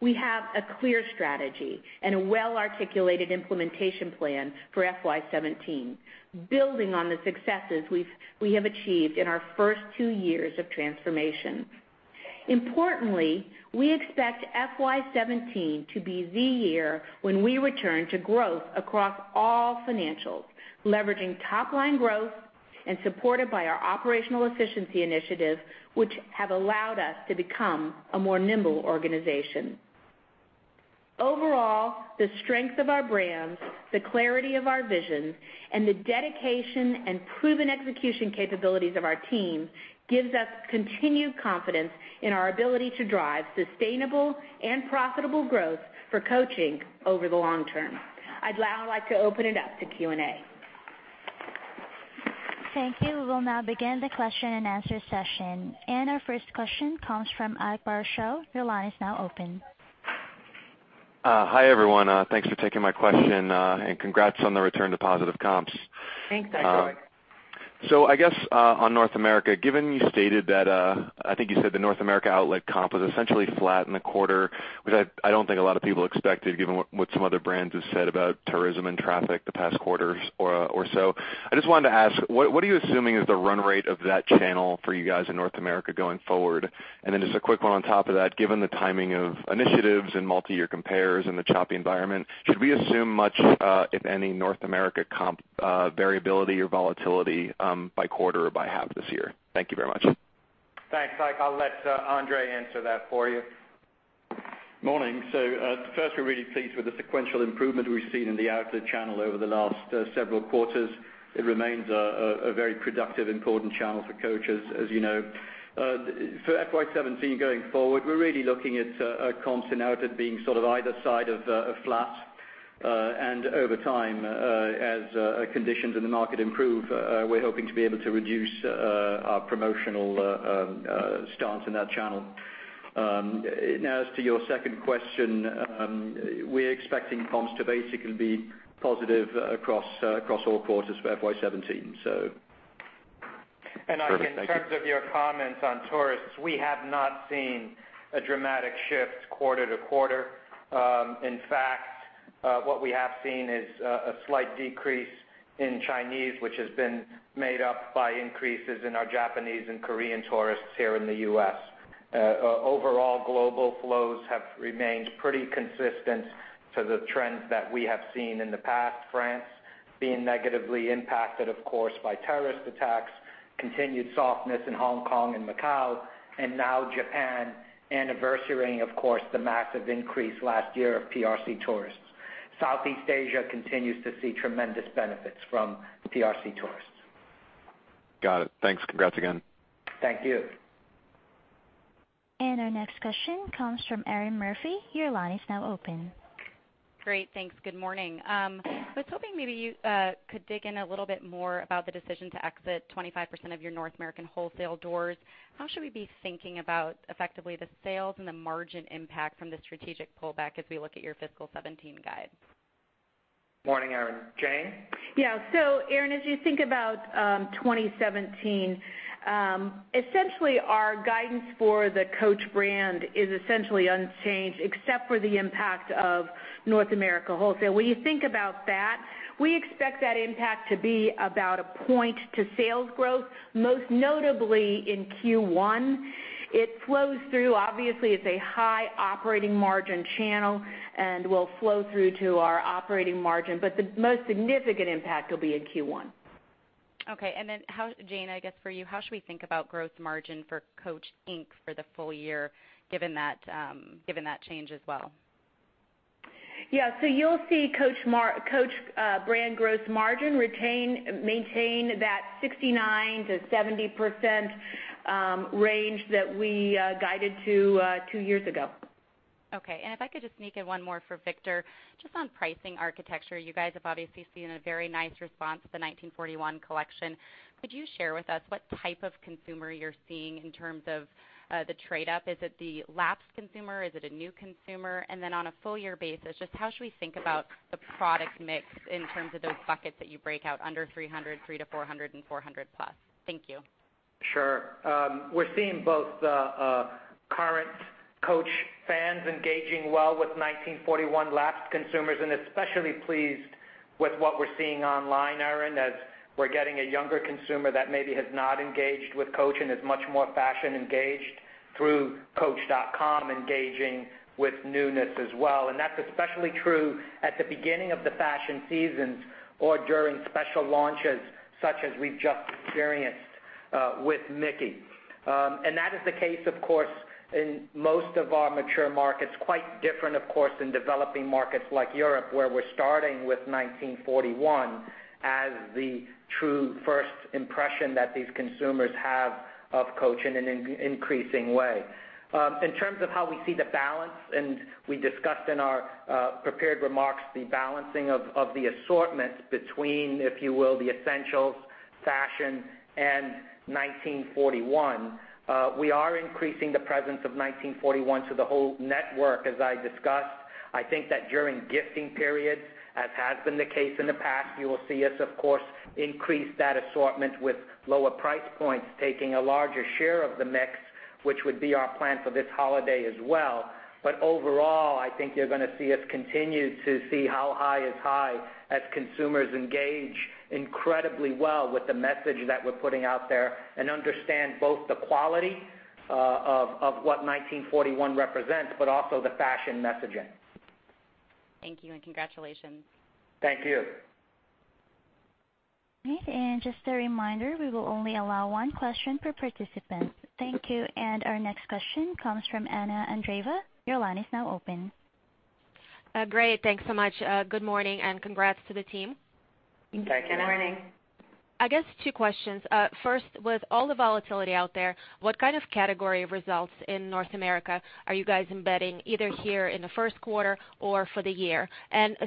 We have a clear strategy and a well-articulated implementation plan for FY17, building on the successes we have achieved in our first two years of transformation. Importantly, we expect FY17 to be the year when we return to growth across all financials, leveraging top-line growth and supported by our operational efficiency initiatives, which have allowed us to become a more nimble organization. Overall, the strength of our brands, the clarity of our vision, and the dedication and proven execution capabilities of our team gives us continued confidence in our ability to drive sustainable and profitable growth for Coach over the long term. I'd now like to open it up to Q&A. Thank you. We will now begin the question and answer session. Our first question comes from Ike Boruchow. Your line is now open. Hi, everyone. Thanks for taking my question. Congrats on the return to positive comps. Thanks, Ike. I guess, on North America, given you stated that, I think you said the North America outlet comp was essentially flat in the quarter, which I don't think a lot of people expected, given what some other brands have said about tourism and traffic the past quarter or so. I just wanted to ask, what are you assuming is the run rate of that channel for you guys in North America going forward? Then just a quick one on top of that, given the timing of initiatives and multi-year compares and the choppy environment, should we assume much, if any, North America comp variability or volatility by quarter or by half this year? Thank you very much. Thanks, Ike. I'll let Andre answer that for you. Morning. First, we're really pleased with the sequential improvement we've seen in the outlet channel over the last several quarters. It remains a very productive, important channel for Coach, as you know. For FY 2017 going forward, we're really looking at comps and outlet being sort of either side of flat. Over time, as conditions in the market improve, we're hoping to be able to reduce our promotional stance in that channel. As to your second question, we're expecting comps to basically be positive across all quarters for FY 2017. Perfect. Thank you. Ike, in terms of your comments on tourists, we have not seen a dramatic shift quarter to quarter. In fact, what we have seen is a slight decrease in Chinese, which has been made up by increases in our Japanese and Korean tourists here in the U.S. Overall, global flows have remained pretty consistent to the trends that we have seen in the past. France being negatively impacted, of course, by terrorist attacks, continued softness in Hong Kong and Macau, and now Japan anniversarying, of course, the massive increase last year of PRC tourists. Southeast Asia continues to see tremendous benefits from PRC tourists. Got it. Thanks. Congrats again. Thank you. Our next question comes from Erinn Murphy. Your line is now open. Great, thanks. Good morning. I was hoping maybe you could dig in a little bit more about the decision to exit 25% of your North American wholesale doors. How should we be thinking about effectively the sales and the margin impact from the strategic pullback as we look at your FY 2017 guide? Morning, Erinn. Jane? Yeah. Erinn, as you think about 2017, essentially, our guidance for the Coach brand is essentially unchanged, except for the impact of North America wholesale. When you think about that, we expect that impact to be about a point to sales growth, most notably in Q1. It flows through. Obviously, it's a high operating margin channel and will flow through to our operating margin. The most significant impact will be in Q1. Okay. Jane, I guess for you, how should we think about gross margin for Coach, Inc. for the full year, given that change as well? Yeah. You'll see Coach brand gross margin maintain that 69%-70% range that we guided to two years ago. Okay. If I could just sneak in one more for Victor, just on pricing architecture. You guys have obviously seen a very nice response to the 1941 collection. Could you share with us what type of consumer you're seeing in terms of the trade-up? Is it the lapsed consumer? Is it a new consumer? On a full-year basis, just how should we think about the product mix in terms of those buckets that you break out under $300, $300-$400, and $400 plus? Thank you. Sure. We're seeing both current Coach fans engaging well with 1941 lapsed consumers, especially pleased with what we're seeing online, Erinn, as we're getting a younger consumer that maybe has not engaged with Coach and is much more fashion engaged through coach.com, engaging with newness as well. That's especially true at the beginning of the fashion seasons or during special launches such as we've just experienced with Mickey. That is the case, of course, in most of our mature markets. Quite different, of course, in developing markets like Europe, where we're starting with 1941 as the true first impression that these consumers have of Coach in an increasing way. In terms of how we see the balance, we discussed in our prepared remarks the balancing of the assortments between, if you will, the essentials, fashion, and 1941. We are increasing the presence of 1941 to the whole network, as I discussed. I think that during gifting periods, as has been the case in the past, you will see us, of course, increase that assortment with lower price points, taking a larger share of the mix, which would be our plan for this holiday as well. Overall, I think you're going to see us continue to see how high is high as consumers engage incredibly well with the message that we're putting out there and understand both the quality of what 1941 represents, but also the fashion messaging. Thank you, and congratulations. Thank you. Great. Just a reminder, we will only allow one question per participant. Thank you. Our next question comes from Anna Andreeva. Your line is now open. Great. Thanks so much. Good morning, congrats to the team. Thank you. Good morning. I guess two questions. First, with all the volatility out there, what kind of category results in North America are you guys embedding either here in the first quarter or for the year?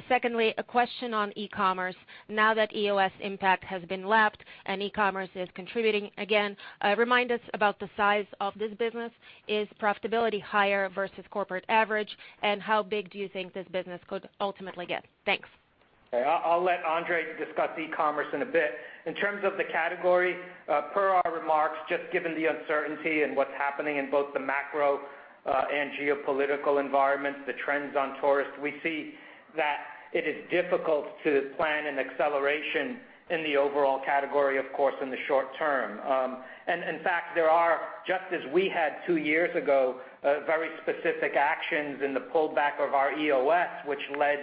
Secondly, a question on e-commerce. Now that EOS impact has been lapped and e-commerce is contributing again, remind us about the size of this business. Is profitability higher versus corporate average, and how big do you think this business could ultimately get? Thanks. Okay. I'll let Andre Cohen discuss e-commerce in a bit. In terms of the category, per our remarks, just given the uncertainty and what's happening in both the macro and geopolitical environment, the trends on tourists, we see that it is difficult to plan an acceleration in the overall category, of course, in the short term. In fact, there are, just as we had two years ago, very specific actions in the pullback of our EOS, which led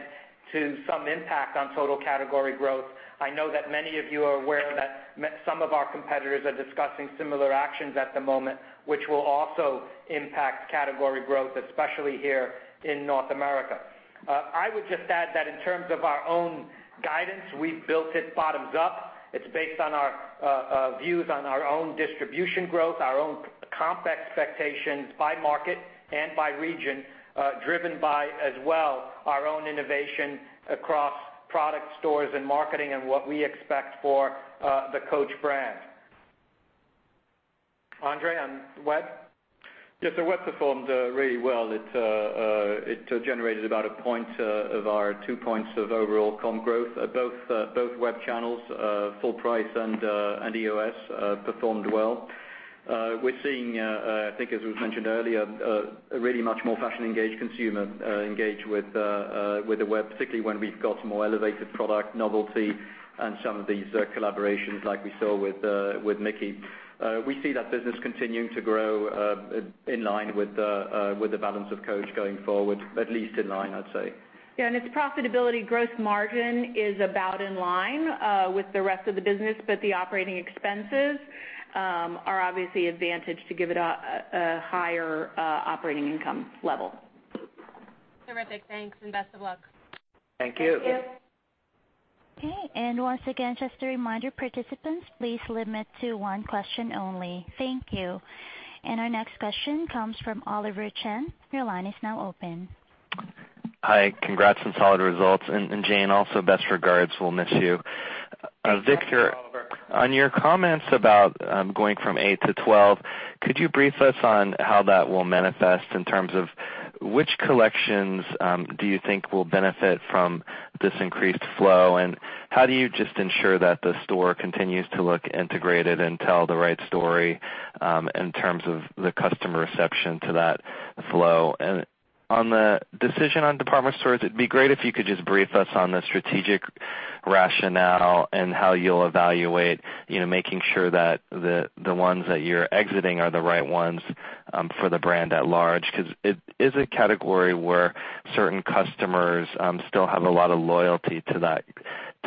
to some impact on total category growth. I know that many of you are aware that some of our competitors are discussing similar actions at the moment, which will also impact category growth, especially here in North America. I would just add that in terms of our own guidance, we've built it bottoms up. It's based on our views on our own distribution growth, our own comp expectations by market and by region, driven by, as well, our own innovation across product stores and marketing and what we expect for the Coach brand. Andre Cohen, on web. Yes, the web performed really well. It generated about one point of our two points of overall comp growth. Both web channels, full price and EOS, performed well. We're seeing, I think as we've mentioned earlier, a really much more fashion-engaged consumer engage with the web, particularly when we've got more elevated product novelty and some of these collaborations like we saw with Mickey. We see that business continuing to grow in line with the balance of Coach going forward, at least in line, I'd say. Yeah, its profitability gross margin is about in line with the rest of the business, but the operating expenses are obviously advantaged to give it a higher operating income level. Terrific. Thanks, best of luck. Thank you. Thank you. Okay. Once again, just a reminder, participants, please limit to one question only. Thank you. Our next question comes from Oliver Chen. Your line is now open. Hi. Congrats on solid results. Jane, also best regards. We'll miss you. Thanks. Victor, on your comments about going from 8 to 12, could you brief us on how that will manifest in terms of which collections do you think will benefit from this increased flow, how do you just ensure that the store continues to look integrated and tell the right story in terms of the customer reception to that flow? On the decision on department stores, it'd be great if you could just brief us on the strategic rationale and how you'll evaluate making sure that the ones that you're exiting are the right ones for the brand at large. It is a category where certain customers still have a lot of loyalty to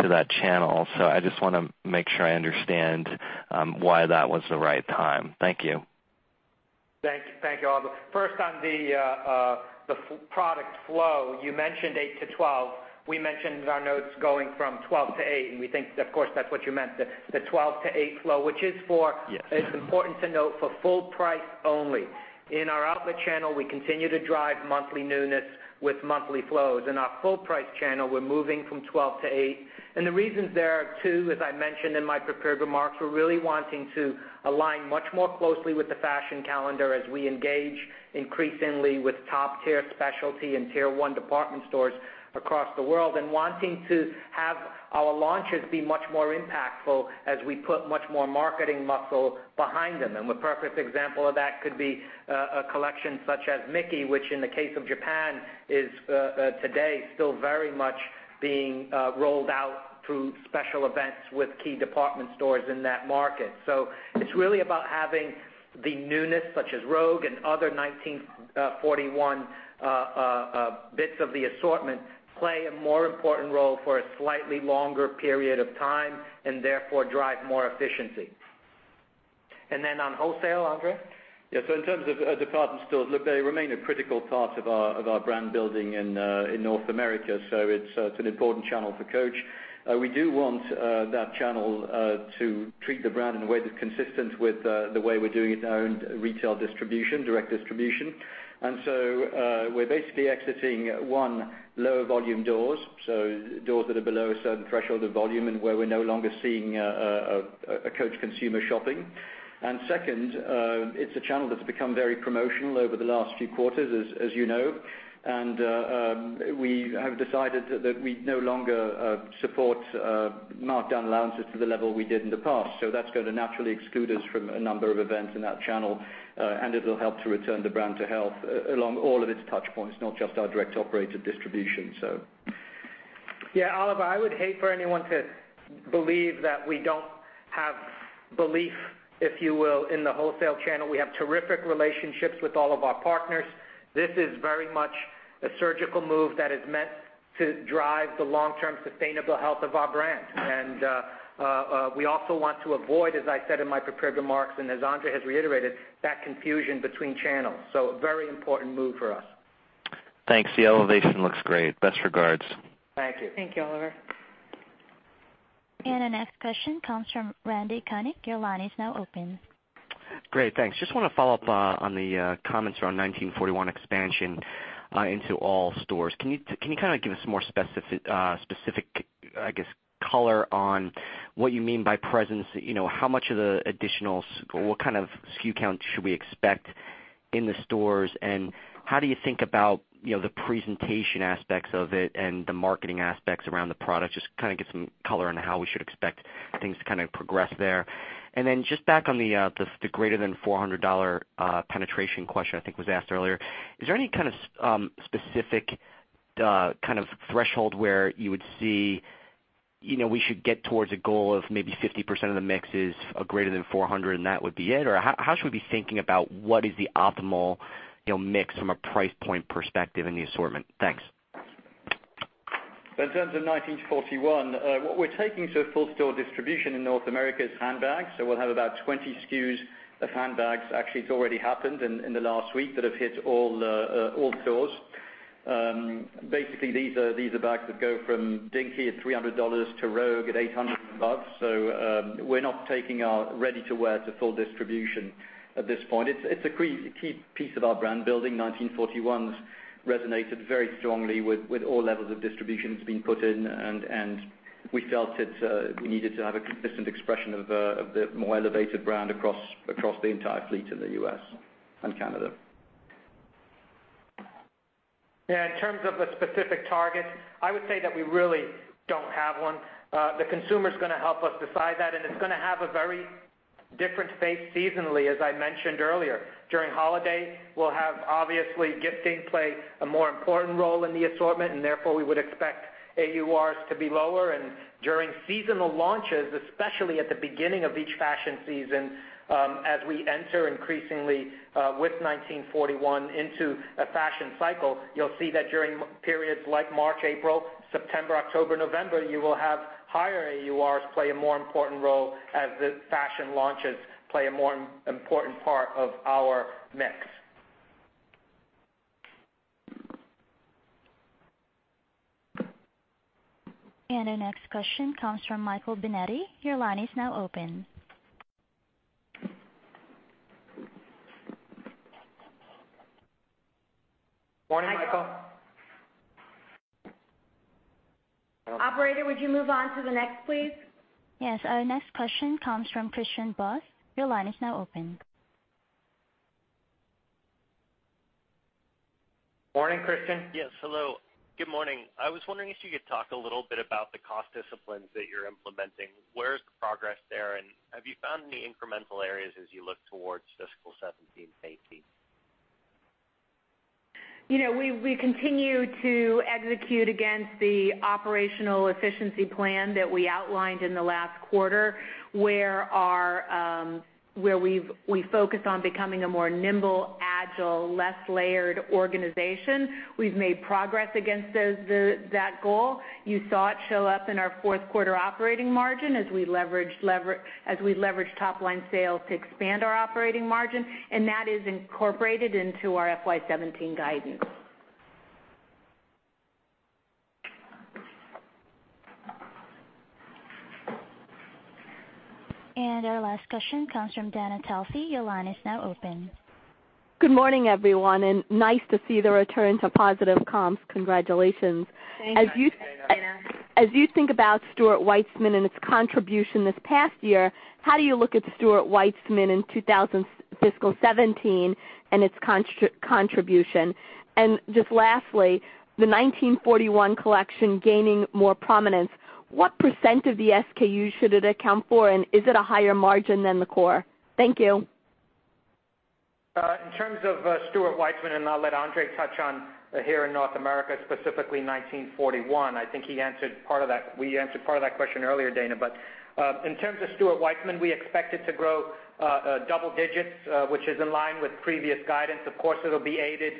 that channel. I just want to make sure I understand why that was the right time. Thank you. Thank you, Oliver. First, on the product flow, you mentioned 8 to 12. We mentioned in our notes going from 12 to 8, we think, of course, that's what you meant, the 12 to 8 flow. Which is for- Yes It's important to note, for full price only. In our outlet channel, we continue to drive monthly newness with monthly flows. In our full price channel, we're moving from 12 to 8. The reasons there are two, as I mentioned in my prepared remarks. We're really wanting to align much more closely with the fashion calendar as we engage increasingly with top-tier specialty and tier 1 department stores across the world. Wanting to have our launches be much more impactful as we put much more marketing muscle behind them. The perfect example of that could be a collection such as Mickey, which in the case of Japan, is today still very much being rolled out through special events with key department stores in that market. It's really about having the newness, such as Rogue and other 1941 bits of the assortment, play a more important role for a slightly longer period of time and therefore drive more efficiency. On wholesale, Andre? Yes. In terms of department stores, look, they remain a critical part of our brand building in North America. It's an important channel for Coach. We do want that channel to treat the brand in a way that's consistent with the way we're doing it in our own retail distribution, direct distribution. We're basically exiting, one, lower volume doors, so doors that are below a certain threshold of volume and where we're no longer seeing a Coach consumer shopping. Second, it's a channel that's become very promotional over the last few quarters, as you know. We have decided that we no longer support markdown allowances to the level we did in the past. That's going to naturally exclude us from a number of events in that channel, and it'll help to return the brand to health along all of its touch points, not just our direct operated distribution. Yeah. Oliver, I would hate for anyone to believe that we don't have belief, if you will, in the wholesale channel. We have terrific relationships with all of our partners. This is very much a surgical move that is meant to drive the long-term sustainable health of our brand. We also want to avoid, as I said in my prepared remarks and as Andre has reiterated, that confusion between channels. A very important move for us. Thanks. The elevation looks great. Best regards. Thank you. Thank you, Oliver. Our next question comes from Randy Konik. Your line is now open. Great. Thanks. Just want to follow up on the comments around Coach 1941 expansion into all stores. Can you give us more specific color on what you mean by presence? What kind of SKU count should we expect in the stores, and how do you think about the presentation aspects of it and the marketing aspects around the product? Get some color on how we should expect things to progress there. Back on the greater than $400 penetration question, I think was asked earlier. Is there any specific threshold where you would see we should get towards a goal of maybe 50% of the mixes are greater than 400 and that would be it? How should we be thinking about what is the optimal mix from a price point perspective in the assortment? Thanks. In terms of Coach 1941, what we're taking to a full store distribution in North America is handbags. We'll have about 20 SKUs of handbags. Actually, it's already happened in the last week that have hit all the stores. Basically these are bags that go from Dinky at $300 to Rogue at $800 above. We're not taking our ready-to-wear to full distribution at this point. It's a key piece of our brand building. Coach 1941 resonated very strongly with all levels of distribution it's been put in, and we felt we needed to have a consistent expression of the more elevated brand across the entire fleet in the U.S. and Canada. Yeah. In terms of a specific target, I would say that we really don't have one. The consumer's going to help us decide that, and it's going to have a very different face seasonally, as I mentioned earlier. During holiday, we'll have obviously gifting play a more important role in the assortment, and therefore we would expect AURs to be lower. During seasonal launches, especially at the beginning of each fashion season, as we enter increasingly with Coach 1941 into a fashion cycle, you'll see that during periods like March, April, September, October, November, you will have higher AURs play a more important role as the fashion launches play a more important part of our mix. Our next question comes from Michael Binetti. Your line is now open. Morning, Michael. Operator, would you move on to the next, please? Yes. Our next question comes from Christian Buss. Your line is now open. Morning, Christian. Yes. Hello. Good morning. I was wondering if you could talk a little bit about the cost disciplines that you're implementing. Where is the progress there, and have you found any incremental areas as you look towards fiscal 2017 and 2018? We continue to execute against the operational efficiency plan that we outlined in the last quarter, where we focus on becoming a more nimble, agile, less layered organization. We've made progress against that goal. You saw it show up in our fourth quarter operating margin as we leveraged top-line sales to expand our operating margin, and that is incorporated into our FY 2017 guidance. Our last question comes from Dana Telsey. Your line is now open. Good morning, everyone. Nice to see the return to positive comps. Congratulations. Thanks, Dana. As you think about Stuart Weitzman and its contribution this past year, how do you look at Stuart Weitzman in fiscal 2017 and its contribution? Just lastly, the 1941 collection gaining more prominence. What % of the SKU should it account for, and is it a higher margin than the core? Thank you. In terms of Stuart Weitzman, I'll let Andre touch on here in North America, specifically 1941. I think we answered part of that question earlier, Dana. In terms of Stuart Weitzman, we expect it to grow double digits, which is in line with previous guidance. Of course, it'll be aided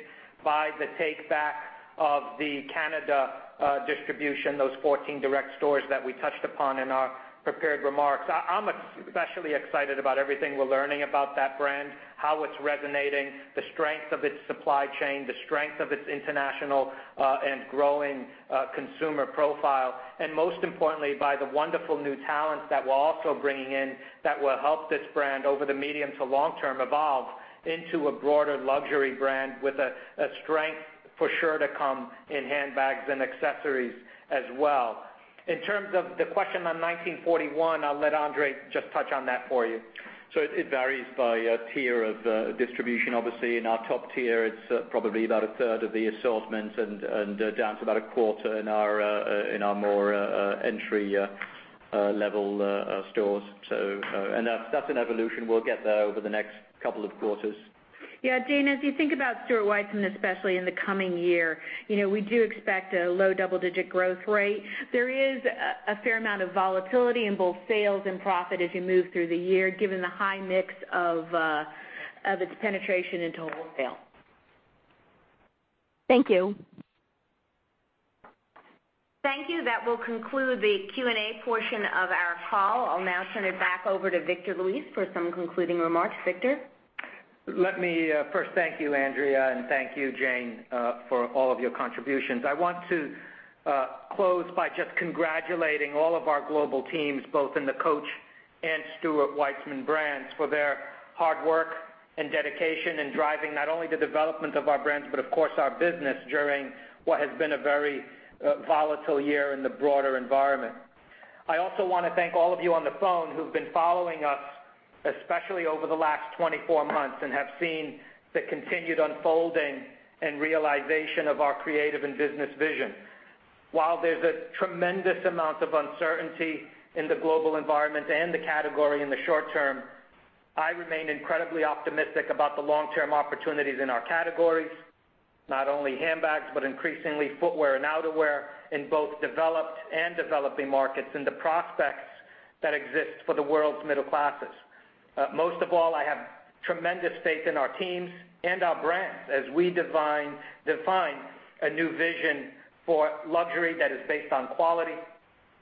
by the take-back of the Canada distribution, those 14 direct stores that we touched upon in our prepared remarks. I'm especially excited about everything we're learning about that brand, how it's resonating, the strength of its supply chain, the strength of its international and growing consumer profile, and most importantly, by the wonderful new talents that we're also bringing in that will help this brand over the medium to long term evolve into a broader luxury brand with a strength for sure to come in handbags and accessories as well. In terms of the question on 1941, I'll let Andre just touch on that for you. It varies by tier of distribution. Obviously, in our top tier, it's probably about a third of the assortment and down to about a quarter in our more entry-level stores. That's an evolution. We'll get there over the next couple of quarters. Dana, as you think about Stuart Weitzman, especially in the coming year, we do expect a low double-digit growth rate. There is a fair amount of volatility in both sales and profit as you move through the year, given the high mix of its penetration into wholesale. Thank you. Thank you. That will conclude the Q&A portion of our call. I'll now turn it back over to Victor Luis for some concluding remarks. Victor? Let me first thank you, Andrea, and thank you, Jane, for all of your contributions. I want to close by just congratulating all of our global teams, both in the Coach and Stuart Weitzman brands, for their hard work and dedication in driving not only the development of our brands, but of course, our business during what has been a very volatile year in the broader environment. I also want to thank all of you on the phone who've been following us, especially over the last 24 months, and have seen the continued unfolding and realization of our creative and business vision. While there's a tremendous amount of uncertainty in the global environment and the category in the short term, I remain incredibly optimistic about the long-term opportunities in our categories, not only handbags, but increasingly footwear and outerwear in both developed and developing markets and the prospects that exist for the world's middle classes. Most of all, I have tremendous faith in our teams and our brands as we define a new vision for luxury that is based on quality,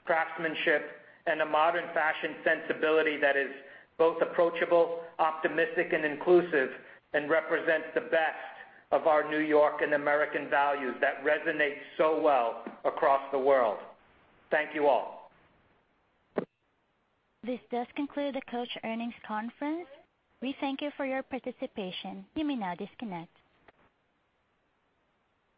craftsmanship, and a modern fashion sensibility that is both approachable, optimistic, and inclusive, and represents the best of our New York and American values that resonates so well across the world. Thank you all. This does conclude the Coach earnings conference. We thank you for your participation. You may now disconnect.